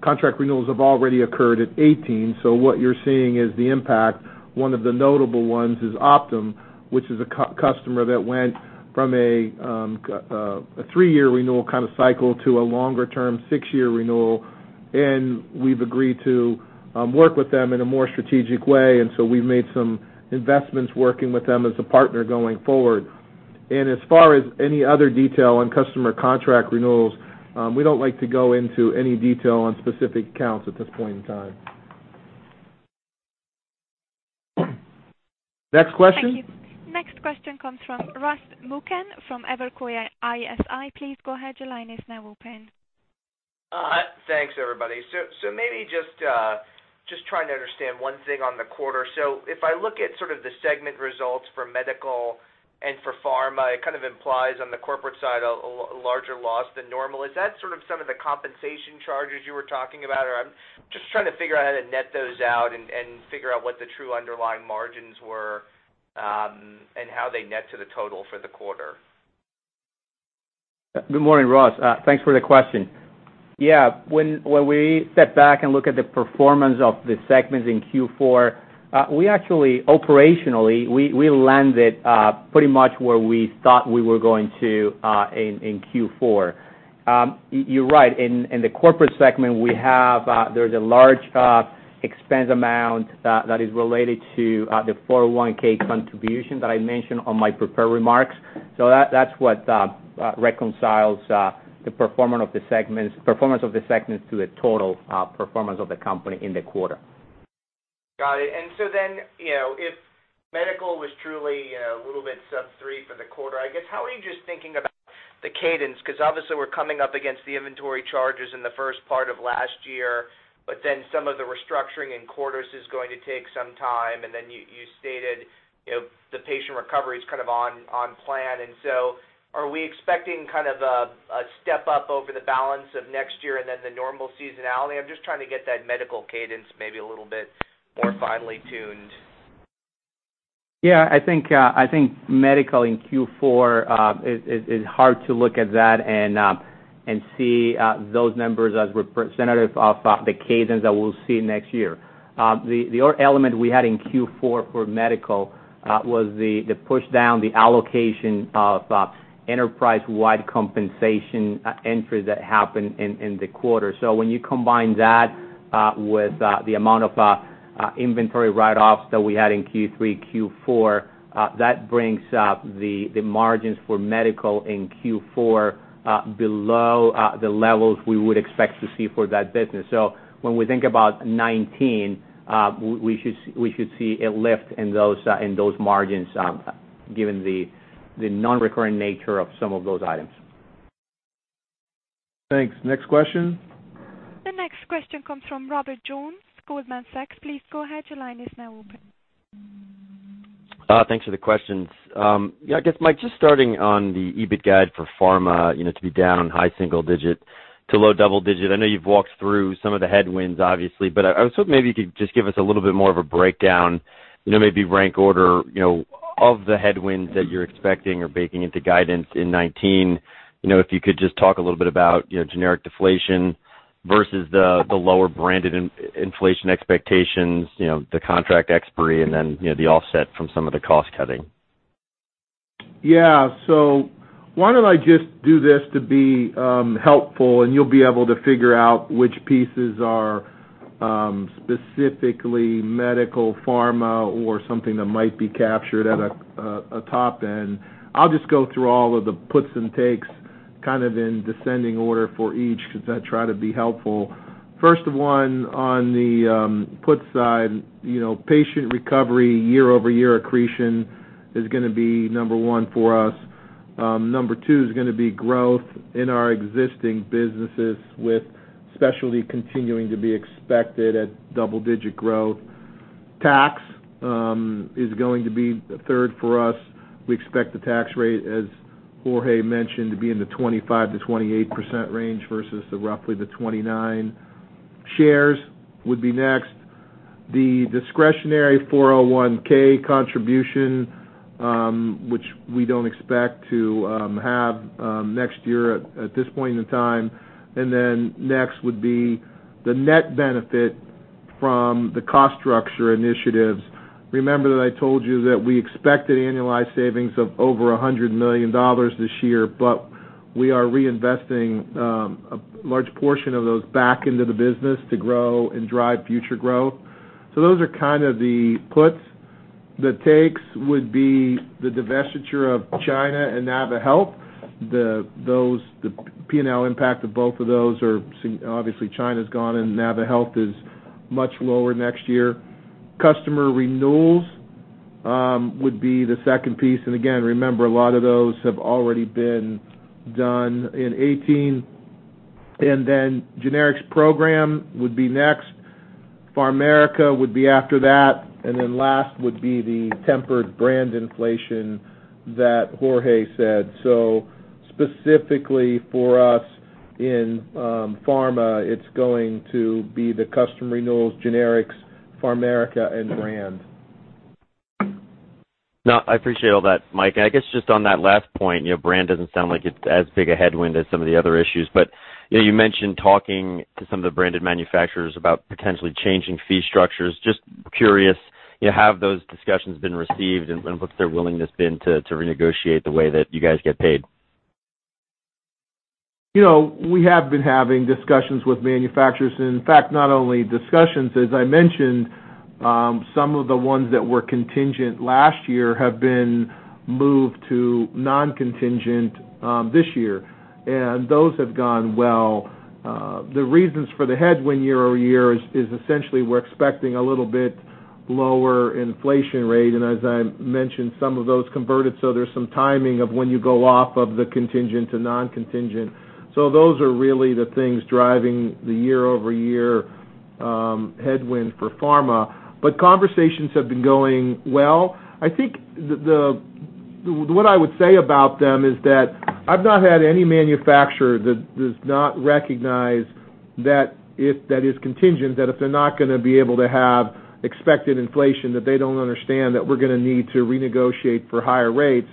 contract renewals have already occurred at 2018, so what you're seeing is the impact. One of the notable ones is Optum, which is a customer that went from a three-year renewal cycle to a longer-term six-year renewal. We've agreed to work with them in a more strategic way, we've made some investments working with them as a partner going forward. As far as any other detail on customer contract renewals, we don't like to go into any detail on specific accounts at this point in time. Next question? Thank you. Next question comes from Ross Muken from Evercore ISI. Please go ahead. Your line is now open. Thanks, everybody. Maybe just trying to understand one thing on the quarter. If I look at sort of the segment results for medical and for pharma, it kind of implies on the corporate side a larger loss than normal. Is that sort of some of the compensation charges you were talking about? I'm just trying to figure out how to net those out and figure out what the true underlying margins were, and how they net to the total for the quarter. Good morning, Ross. Thanks for the question. When we step back and look at the performance of the segments in Q4, we actually, operationally, we landed pretty much where we thought we were going to in Q4. You're right, in the corporate segment, there's a large expense amount that is related to the 401 contribution that I mentioned on my prepared remarks. That's what reconciles the performance of the segments to the total performance of the company in the quarter. Got it. If medical was truly a little bit sub three for the quarter, I guess, how are you just thinking about the cadence? Obviously we're coming up against the inventory charges in the first part of last year, but then some of the restructuring in quarters is going to take some time, and then you stated the Patient Recovery's on plan. Are we expecting a step-up over the balance of next year and then the normal seasonality? I'm just trying to get that medical cadence maybe a little bit more finely tuned. I think medical in Q4, it's hard to look at that and see those numbers as representative of the cadence that we'll see next year. The other element we had in Q4 for medical was the push down the allocation of enterprise-wide compensation entries that happened in the quarter. When you combine that with the amount of inventory write-offs that we had in Q3, Q4, that brings up the margins for medical in Q4 below the levels we would expect to see for that business. When we think about 2019, we should see a lift in those margins given the non-recurring nature of some of those items. Thanks. Next question? The next question comes from Robert Jones, Goldman Sachs. Please go ahead. Your line is now open. Thanks for the questions. I guess, Mike, just starting on the EBIT guide for pharma, to be down on high single digit to low double digit. I know you've walked through some of the headwinds, obviously, I was hoping maybe you could just give us a little bit more of a breakdown, maybe rank order of the headwinds that you're expecting or baking into guidance in 2019. If you could just talk a little bit about generic deflation versus the lower branded inflation expectations, the contract expiry, the offset from some of the cost cutting. Why don't I just do this to be helpful, you'll be able to figure out which pieces are specifically medical, pharma, or something that might be captured at a top end. I'll just go through all of the puts and takes in descending order for each, because I try to be helpful. First one on the put side, Patient Recovery year-over-year accretion is going to be number one for us. Number two is going to be growth in our existing businesses with specialty continuing to be expected at double-digit growth. Tax is going to be third for us. We expect the tax rate, as Jorge mentioned, to be in the 25%-28% range versus roughly the 29%. Shares would be next. The discretionary 401(k) contribution, which we don't expect to have next year at this point in time, next would be the net benefit from the cost structure initiatives. Remember that I told you that we expected annualized savings of over $100 million this year, we are reinvesting a large portion of those back into the business to grow and drive future growth. Those are kind of the puts. The takes would be the divestiture of China and naviHealth. The P&L impact of both of those are, obviously, China's gone and naviHealth is much lower next year. Customer renewals would be the second piece. Again, remember, a lot of those have already been done in 2018. Generics program would be next. PharMerica would be after that. Last would be the tempered brand inflation that Jorge said. Specifically for us in pharma, it's going to be the customer renewals, generics, PharMerica, and brand. No, I appreciate all that, Mike. I guess just on that last point, brand doesn't sound like it's as big a headwind as some of the other issues. You mentioned talking to some of the branded manufacturers about potentially changing fee structures. Just curious, have those discussions been received, and what's their willingness been to renegotiate the way that you guys get paid? We have been having discussions with manufacturers, and in fact, not only discussions, as I mentioned, some of the ones that were contingent last year have been moved to non-contingent this year. Those have gone well. The reasons for the headwind year-over-year is essentially we're expecting a little bit lower inflation rate, and as I mentioned, some of those converted, so there's some timing of when you go off of the contingent to non-contingent. Those are really the things driving the year-over-year headwind for pharma. Conversations have been going well. I think what I would say about them is that I've not had any manufacturer that does not recognize that if that is contingent, that if they're not going to be able to have expected inflation, that they don't understand that we're going to need to renegotiate for higher rates.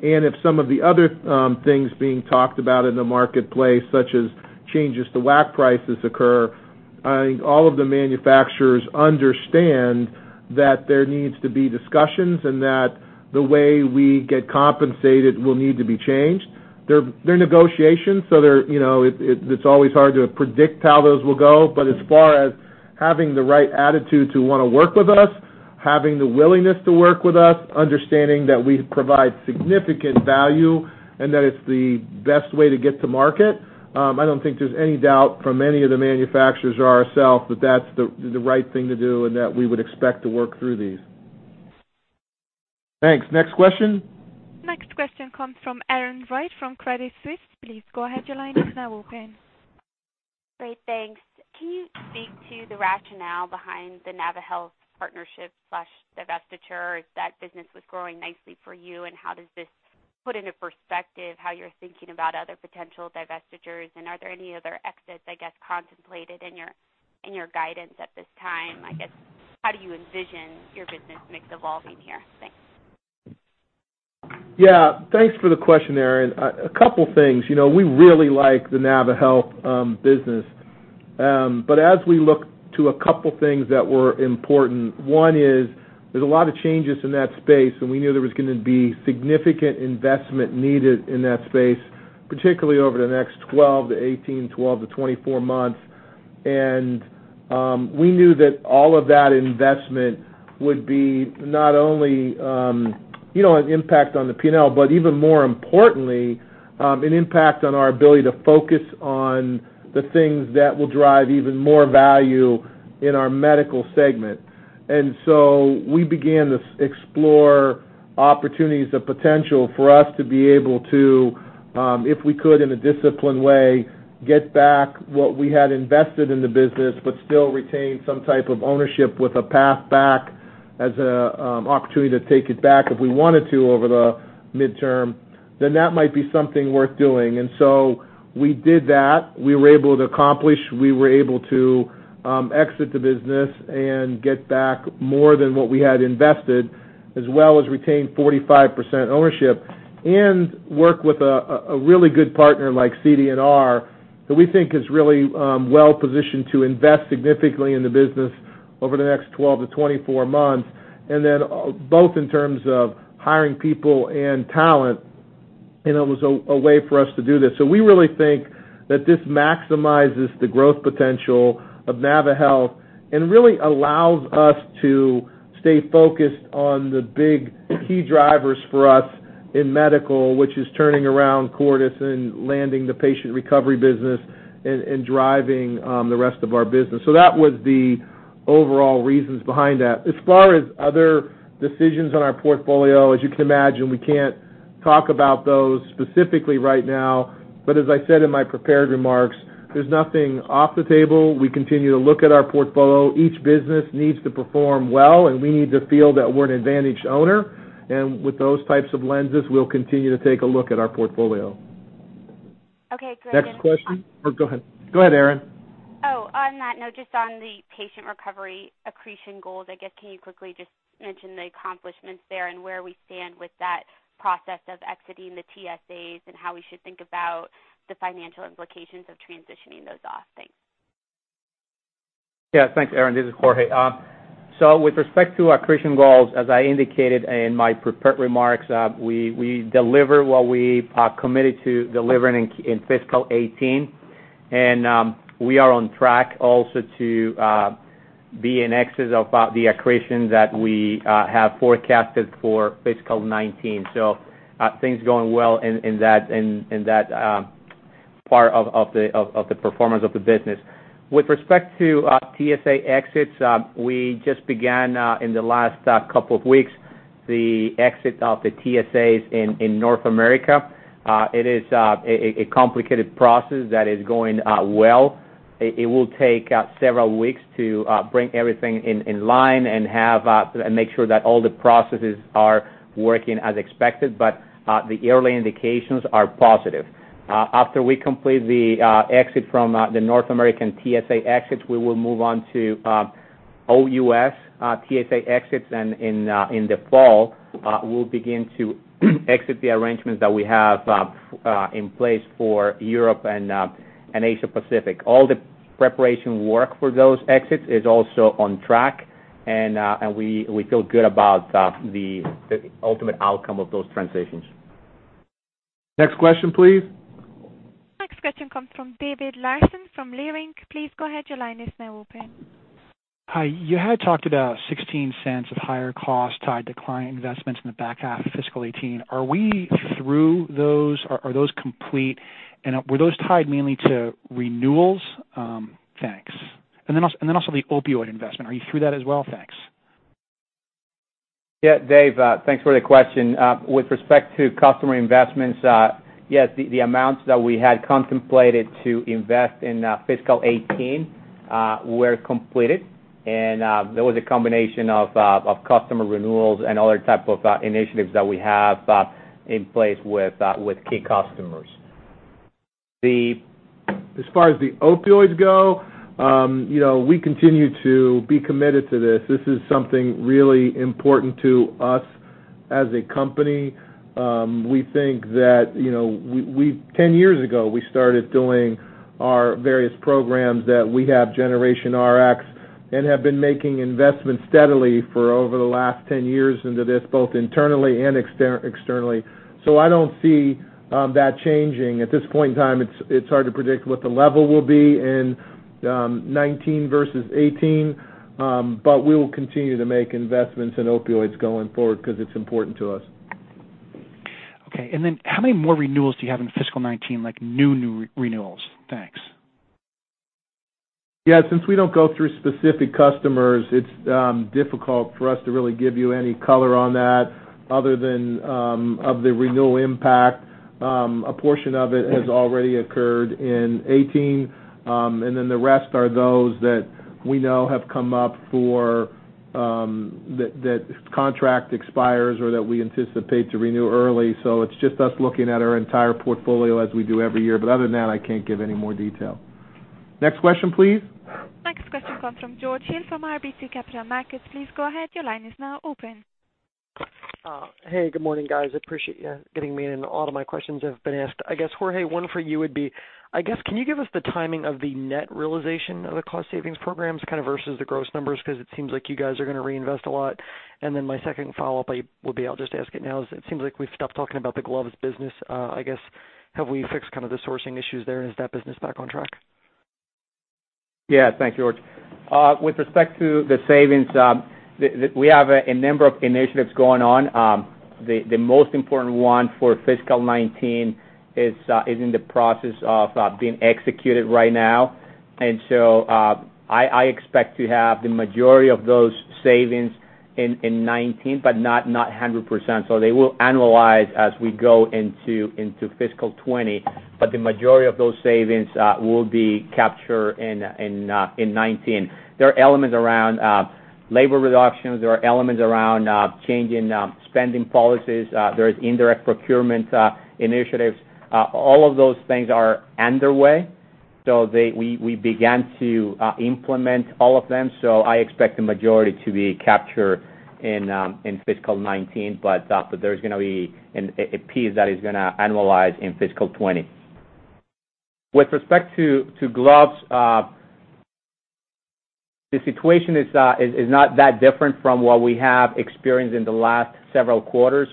If some of the other things being talked about in the marketplace, such as changes to WAC prices occur, I think all of the manufacturers understand that there needs to be discussions and that the way we get compensated will need to be changed. They're negotiations, so it's always hard to predict how those will go. As far as having the right attitude to want to work with us, having the willingness to work with us, understanding that we provide significant value, and that it's the best way to get to market, I don't think there's any doubt from any of the manufacturers or ourselves that that's the right thing to do and that we would expect to work through these. Thanks. Next question? Next question comes from Erin Wright from Credit Suisse. Please go ahead, your line is now open. Great. Thanks. Can you speak to the rationale behind the naviHealth partnership/divestiture? That business was growing nicely for you, and how does this put into perspective how you're thinking about other potential divestitures? Are there any other exits, I guess, contemplated in your guidance at this time? I guess, how do you envision your business mix evolving here? Thanks. Yeah. Thanks for the question, Erin. A couple things. We really like the naviHealth business. But as we look to a couple things that were important, one is there's a lot of changes in that space, and we knew there was going to be significant investment needed in that space, particularly over the next 12 to 18, 12 to 24 months. We knew that all of that investment would be not only an impact on the P&L, but even more importantly, an impact on our ability to focus on the things that will drive even more value in our medical segment. We began to explore opportunities of potential for us to be able to, if we could in a disciplined way, get back what we had invested in the business, but still retain some type of ownership with a path back as an opportunity to take it back if we wanted to over the midterm, then that might be something worth doing. We did that. We were able to accomplish, we were able to exit the business and get back more than what we had invested, as well as retain 45% ownership and work with a really good partner like CD&R, who we think is really well-positioned to invest significantly in the business over the next 12 to 24 months. Both in terms of hiring people and talent, it was a way for us to do this. We really think that this maximizes the growth potential of naviHealth and really allows us to stay focused on the big key drivers for us in medical, which is turning around Cordis and landing the Patient Recovery business and driving the rest of our business. That was the overall reasons behind that. As far as other decisions on our portfolio, as you can imagine, we can't talk about those specifically right now, but as I said in my prepared remarks, there's nothing off the table. We continue to look at our portfolio. Each business needs to perform well, and we need to feel that we're an advantaged owner. With those types of lenses, we'll continue to take a look at our portfolio. Okay, great. Next question. Oh, go ahead. Go ahead, Erin. On that note, just on the Patient Recovery accretion goals, I guess, can you quickly just mention the accomplishments there and where we stand with that process of exiting the TSAs, and how we should think about the financial implications of transitioning those off? Thanks. Yeah. Thanks, Erin. This is Jorge. With respect to accretion goals, as I indicated in my prepared remarks, we delivered what we committed to delivering in fiscal 2018. We are on track also to be in excess of the accretion that we have forecasted for fiscal 2019. Things are going well in that part of the performance of the business. With respect to TSA exits, we just began, in the last couple of weeks, the exit of the TSAs in North America. It is a complicated process that is going well. It will take several weeks to bring everything in line and make sure that all the processes are working as expected, but the early indications are positive. After we complete the exit from the North American TSA exits, we will move on to OUS TSA exits. In the fall, we'll begin to exit the arrangements that we have in place for Europe and Asia Pacific. All the preparation work for those exits is also on track, and we feel good about the ultimate outcome of those transitions. Next question, please. Next question comes from David Larsen from Leerink. Please go ahead. Your line is now open. Hi. You had talked about $0.16 of higher costs tied to client investments in the back half of FY 2018. Are we through those? Are those complete? Were those tied mainly to renewals? Thanks. Also the opioid investment. Are you through that as well? Thanks. Yeah. Dave, thanks for the question. With respect to customer investments, yes, the amounts that we had contemplated to invest in FY 2018 were completed. That was a combination of customer renewals and other type of initiatives that we have in place with key customers. As far as the opioids go, we continue to be committed to this. This is something really important to us as a company. We think that 10 years ago, we started doing our various programs that we have, Generation Rx, and have been making investments steadily for over the last 10 years into this, both internally and externally. I don't see that changing. At this point in time, it's hard to predict what the level will be in 2019 versus 2018, but we will continue to make investments in opioids going forward because it's important to us. Okay. How many more renewals do you have in FY 2019, like new renewals? Thanks. Yeah. Since we don't go through specific customers, it's difficult for us to really give you any color on that other than of the renewal impact. A portion of it has already occurred in 2018, the rest are those that we know have come up for that contract expires or that we anticipate to renew early. It's just us looking at our entire portfolio as we do every year. Other than that, I can't give any more detail. Next question, please. Next question comes from George Hill from RBC Capital Markets. Please go ahead. Your line is now open. Hey, good morning, guys. I appreciate you getting me in. A lot of my questions have been asked. Jorge, one for you would be, can you give us the timing of the net realization of the cost savings programs kind of versus the gross numbers? It seems like you guys are going to reinvest a lot. My second follow-up will be, I'll just ask it now, is it seems like we've stopped talking about the gloves business. Have we fixed the sourcing issues there, and is that business back on track? Yeah. Thanks, George. With respect to the savings, we have a number of initiatives going on. The most important one for fiscal 2019 is in the process of being executed right now. I expect to have the majority of those savings in 2019, but not 100%. They will annualize as we go into fiscal 2020, but the majority of those savings will be captured in 2019. There are elements around labor reductions. There are elements around changing spending policies. There is indirect procurement initiatives. All of those things are underway. We began to implement all of them, so I expect the majority to be captured in fiscal 2019, but there's going to be a piece that is going to annualize in fiscal 2020. With respect to gloves, the situation is not that different from what we have experienced in the last several quarters.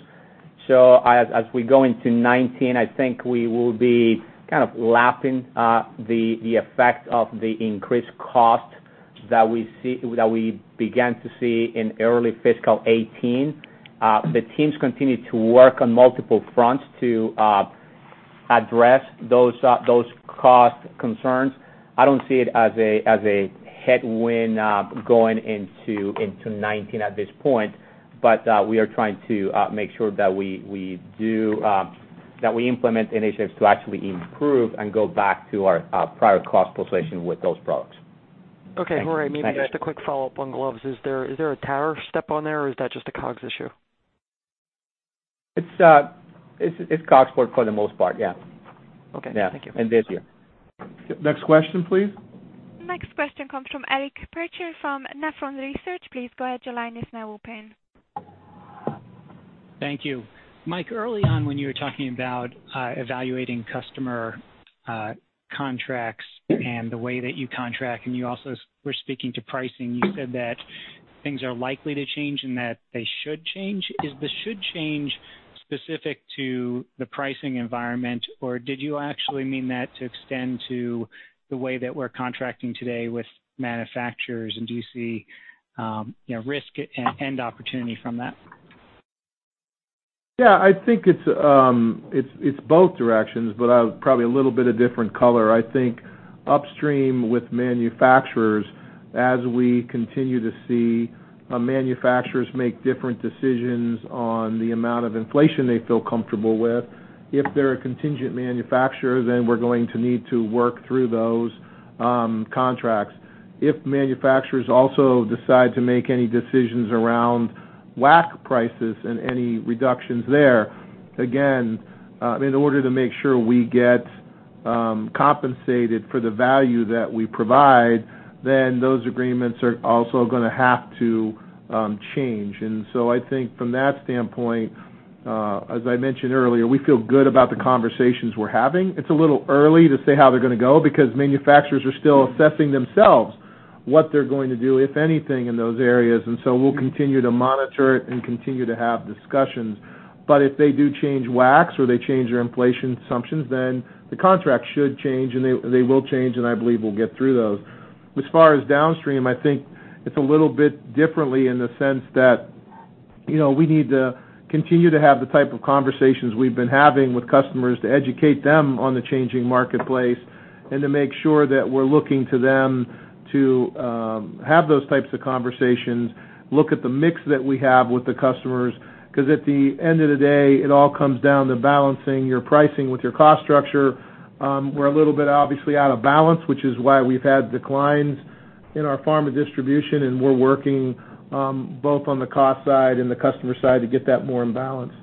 As we go into 2019, I think we will be kind of lapping the effect of the increased cost that we began to see in early fiscal 2018. The teams continue to work on multiple fronts to Address those cost concerns. I don't see it as a headwind going into 2019 at this point. We are trying to make sure that we implement initiatives to actually improve and go back to our prior cost position with those products. Okay, Jorge, maybe just a quick follow-up on gloves. Is there a tower step on there or is that just a COGS issue? It's COGS for the most part, yeah. Okay. Thank you. Yeah. This year. Next question, please. Next question comes from Eric Percher from Nephron Research. Please go ahead, your line is now open. Thank you. Mike, early on when you were talking about evaluating customer contracts and the way that you contract, you also were speaking to pricing. You said that things are likely to change and that they should change. Is the should change specific to the pricing environment, or did you actually mean that to extend to the way that we're contracting today with manufacturers, and do you see risk and opportunity from that? Yeah, I think it's both directions. Probably a little bit of different color. I think upstream with manufacturers, as we continue to see manufacturers make different decisions on the amount of inflation they feel comfortable with, if they're a contingent manufacturer, we're going to need to work through those contracts. If manufacturers also decide to make any decisions around WAC prices and any reductions there, again, in order to make sure we get compensated for the value that we provide, those agreements are also going to have to change. I think from that standpoint, as I mentioned earlier, we feel good about the conversations we're having. It's a little early to say how they're going to go because manufacturers are still assessing themselves, what they're going to do, if anything, in those areas. We'll continue to monitor it and continue to have discussions. If they do change WACs or they change their inflation assumptions, the contract should change and they will change, and I believe we'll get through those. As far as downstream, I think it's a little bit differently in the sense that we need to continue to have the type of conversations we've been having with customers to educate them on the changing marketplace and to make sure that we're looking to them to have those types of conversations, look at the mix that we have with the customers, because at the end of the day, it all comes down to balancing your pricing with your cost structure. We're a little bit obviously out of balance, which is why we've had declines in our pharma distribution, and we're working both on the cost side and the customer side to get that more in balance.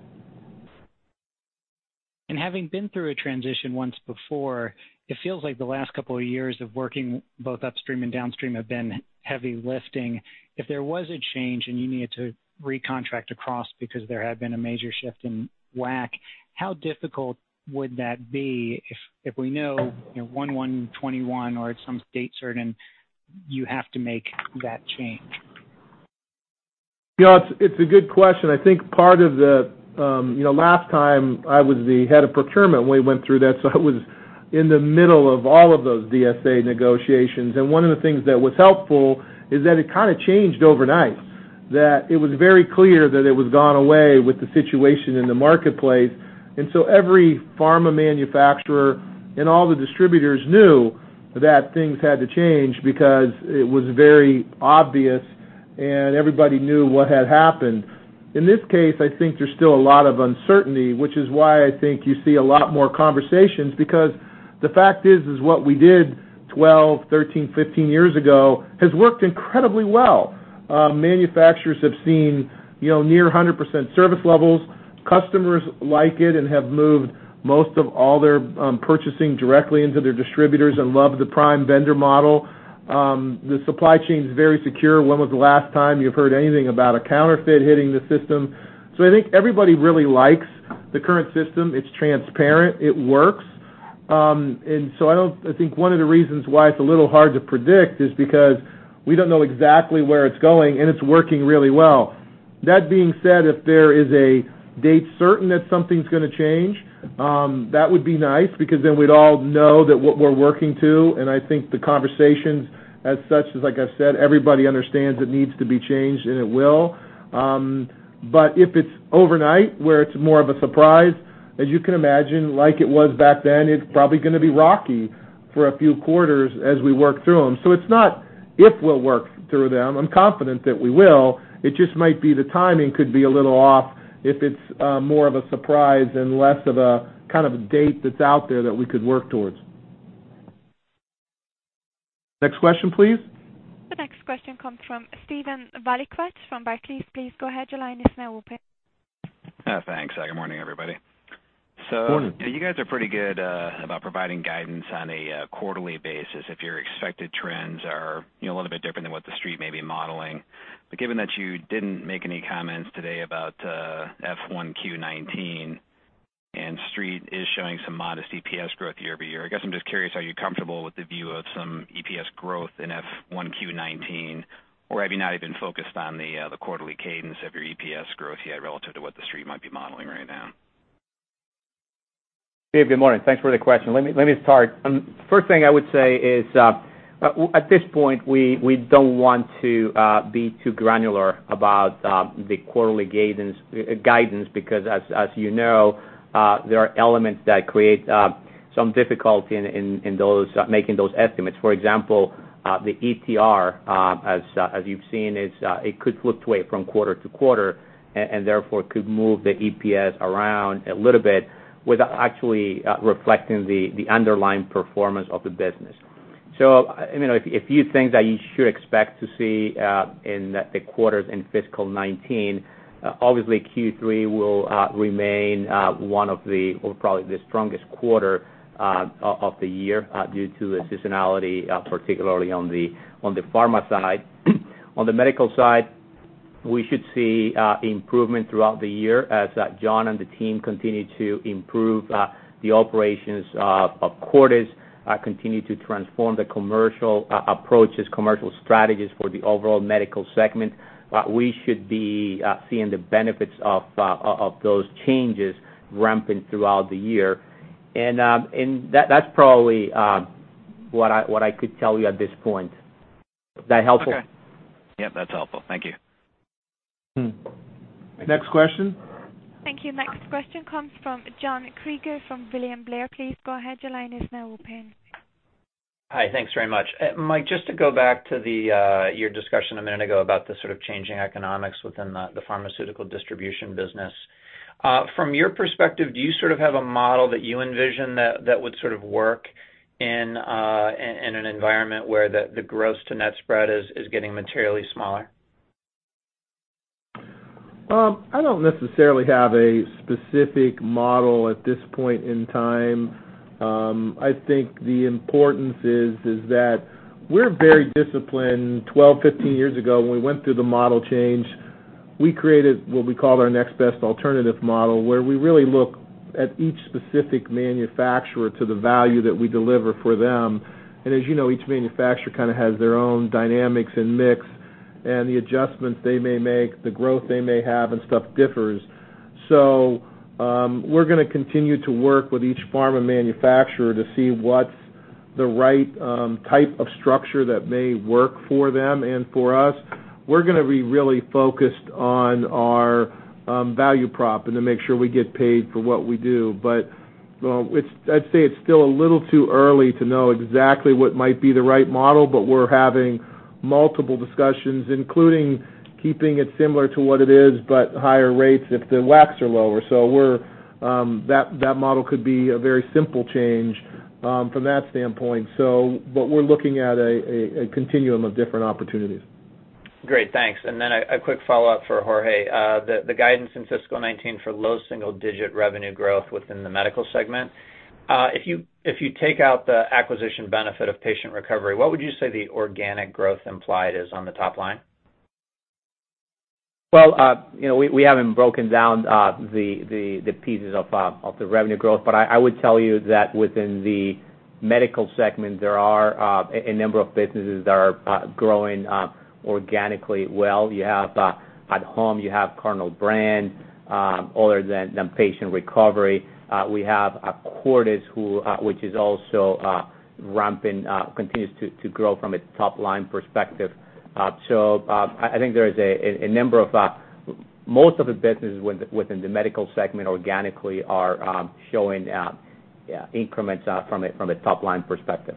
Having been through a transition once before, it feels like the last couple of years of working both upstream and downstream have been heavy lifting. If there was a change and you needed to recontract across because there had been a major shift in WAC, how difficult would that be if we know 1/1/2021 or at some date certain, you have to make that change? It's a good question. Last time I was the head of procurement when we went through that, so I was in the middle of all of those DSA negotiations. One of the things that was helpful is that it kind of changed overnight. That it was very clear that it was gone away with the situation in the marketplace. Every pharma manufacturer and all the distributors knew that things had to change because it was very obvious and everybody knew what had happened. In this case, I think there's still a lot of uncertainty, which is why I think you see a lot more conversations, because the fact is what we did 12, 13, 15 years ago has worked incredibly well. Manufacturers have seen near 100% service levels. Customers like it and have moved most of all their purchasing directly into their distributors and love the prime vendor model. The supply chain's very secure. When was the last time you've heard anything about a counterfeit hitting the system? I think everybody really likes the current system. It's transparent. It works. I think one of the reasons why it's a little hard to predict is because we don't know exactly where it's going, and it's working really well. That being said, if there is a date certain that something's going to change, that would be nice because then we'd all know that what we're working to, and I think the conversations as such, is like I said, everybody understands it needs to be changed and it will. If it's overnight, where it's more of a surprise, as you can imagine, like it was back then, it's probably going to be rocky for a few quarters as we work through them. It's not if we'll work through them. I'm confident that we will. It just might be the timing could be a little off if it's more of a surprise and less of a date that's out there that we could work towards. Next question, please. The next question comes from Steven Valiquette from Barclays. Please go ahead, your line is now open. Thanks. Good morning, everybody. Good morning. You guys are pretty good about providing guidance on a quarterly basis if your expected trends are a little bit different than what the Street may be modeling. Given that you didn't make any comments today about F1 Q19, and the Street is showing some modest EPS growth year-over-year, I guess I'm just curious, are you comfortable with the view of some EPS growth in F1 Q19? Have you not even focused on the quarterly cadence of your EPS growth yet relative to what the Street might be modeling right now? Steve, good morning. Thanks for the question. Let me start. First thing I would say is At this point, we don't want to be too granular about the quarterly guidance, because as you know, there are elements that create some difficulty in making those estimates. For example, the ETR, as you've seen, it could flip away from quarter to quarter, and therefore could move the EPS around a little bit, without actually reflecting the underlying performance of the business. A few things that you should expect to see in the quarters in fiscal 2019. Obviously, Q3 will remain one of the, or probably the strongest quarter of the year due to the seasonality, particularly on the pharma side. On the medical side, we should see improvement throughout the year as Jon and the team continue to improve the operations of Cordis, continue to transform the commercial approaches, commercial strategies for the overall medical segment. We should be seeing the benefits of those changes ramping throughout the year. That's probably what I could tell you at this point. Is that helpful? Okay. Yep, that's helpful. Thank you. Next question. Thank you. Next question comes from John Kreger from William Blair. Please go ahead. Your line is now open. Hi. Thanks very much. Mike, just to go back to your discussion a minute ago about the sort of changing economics within the pharmaceutical distribution business. From your perspective, do you sort of have a model that you envision that would sort of work in an environment where the gross to net spread is getting materially smaller? I don't necessarily have a specific model at this point in time. I think the importance is that we're very disciplined. 12, 15 years ago, when we went through the model change, we created what we called our next best alternative model, where we really look at each specific manufacturer to the value that we deliver for them. As you know, each manufacturer kind of has their own dynamics and mix, and the adjustments they may make, the growth they may have and stuff differs. We're going to continue to work with each pharma manufacturer to see what's the right type of structure that may work for them and for us. We're going to be really focused on our value prop and to make sure we get paid for what we do. I'd say it's still a little too early to know exactly what might be the right model, we're having multiple discussions, including keeping it similar to what it is, but higher rates if the WACs are lower. That model could be a very simple change from that standpoint, we're looking at a continuum of different opportunities. Great, thanks. A quick follow-up for Jorge. The guidance in fiscal 2019 for low single-digit revenue growth within the medical segment. If you take out the acquisition benefit of Patient Recovery, what would you say the organic growth implied is on the top line? Well, we haven't broken down the pieces of the revenue growth, but I would tell you that within the medical segment, there are a number of businesses that are growing organically well. At home, you have Cardinal brand, other than Patient Recovery. We have Cordis, which is also ramping, continues to grow from a top-line perspective. I think most of the business within the medical segment organically are showing increments from a top-line perspective.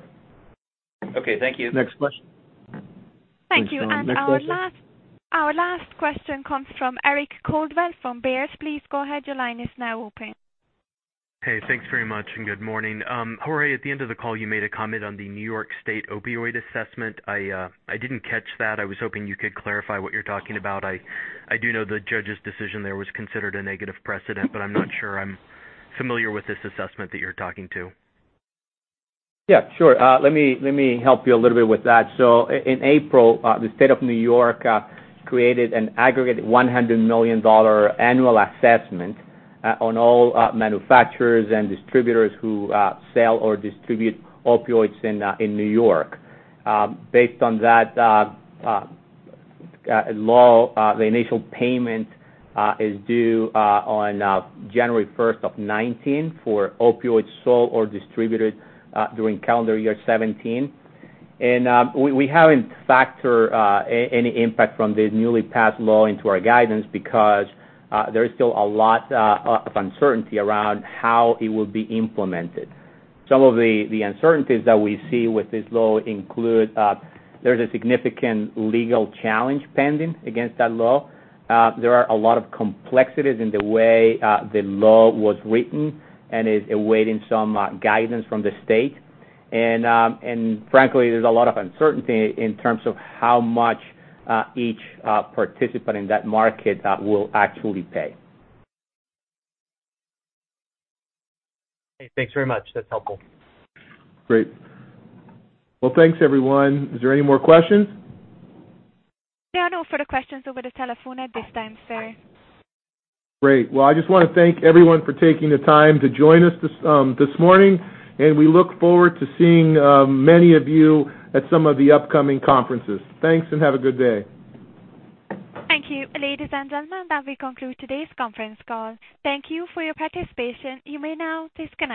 Okay, thank you. Next question. Thank you. Thanks, John. Next question. Our last question comes from Eric Coldwell from Baird. Please go ahead. Your line is now open. Hey, thanks very much, and good morning. Jorge, at the end of the call, you made a comment on the New York State opioid assessment. I didn't catch that. I was hoping you could clarify what you're talking about. I do know the judge's decision there was considered a negative precedent, but I'm not sure I'm familiar with this assessment that you're talking to. Yeah, sure. Let me help you a little bit with that. In April, the State of N.Y., created an aggregate $100 million annual assessment on all manufacturers and distributors who sell or distribute opioids in N.Y. Based on that law, the initial payment is due on January 1st of 2019 for opioids sold or distributed during calendar year 2017. We haven't factored any impact from the newly passed law into our guidance because there is still a lot of uncertainty around how it will be implemented. Some of the uncertainties that we see with this law include, there's a significant legal challenge pending against that law. There are a lot of complexities in the way the law was written, and is awaiting some guidance from the state. Frankly, there's a lot of uncertainty in terms of how much each participant in that market will actually pay. Okay, thanks very much. That's helpful. Great. Well, thanks everyone. Is there any more questions? There are no further questions over the telephone at this time, sir. Great. Well, I just want to thank everyone for taking the time to join us this morning, and we look forward to seeing many of you at some of the upcoming conferences. Thanks, and have a good day. Thank you. Ladies and gentlemen, that we conclude today's conference call. Thank you for your participation. You may now disconnect.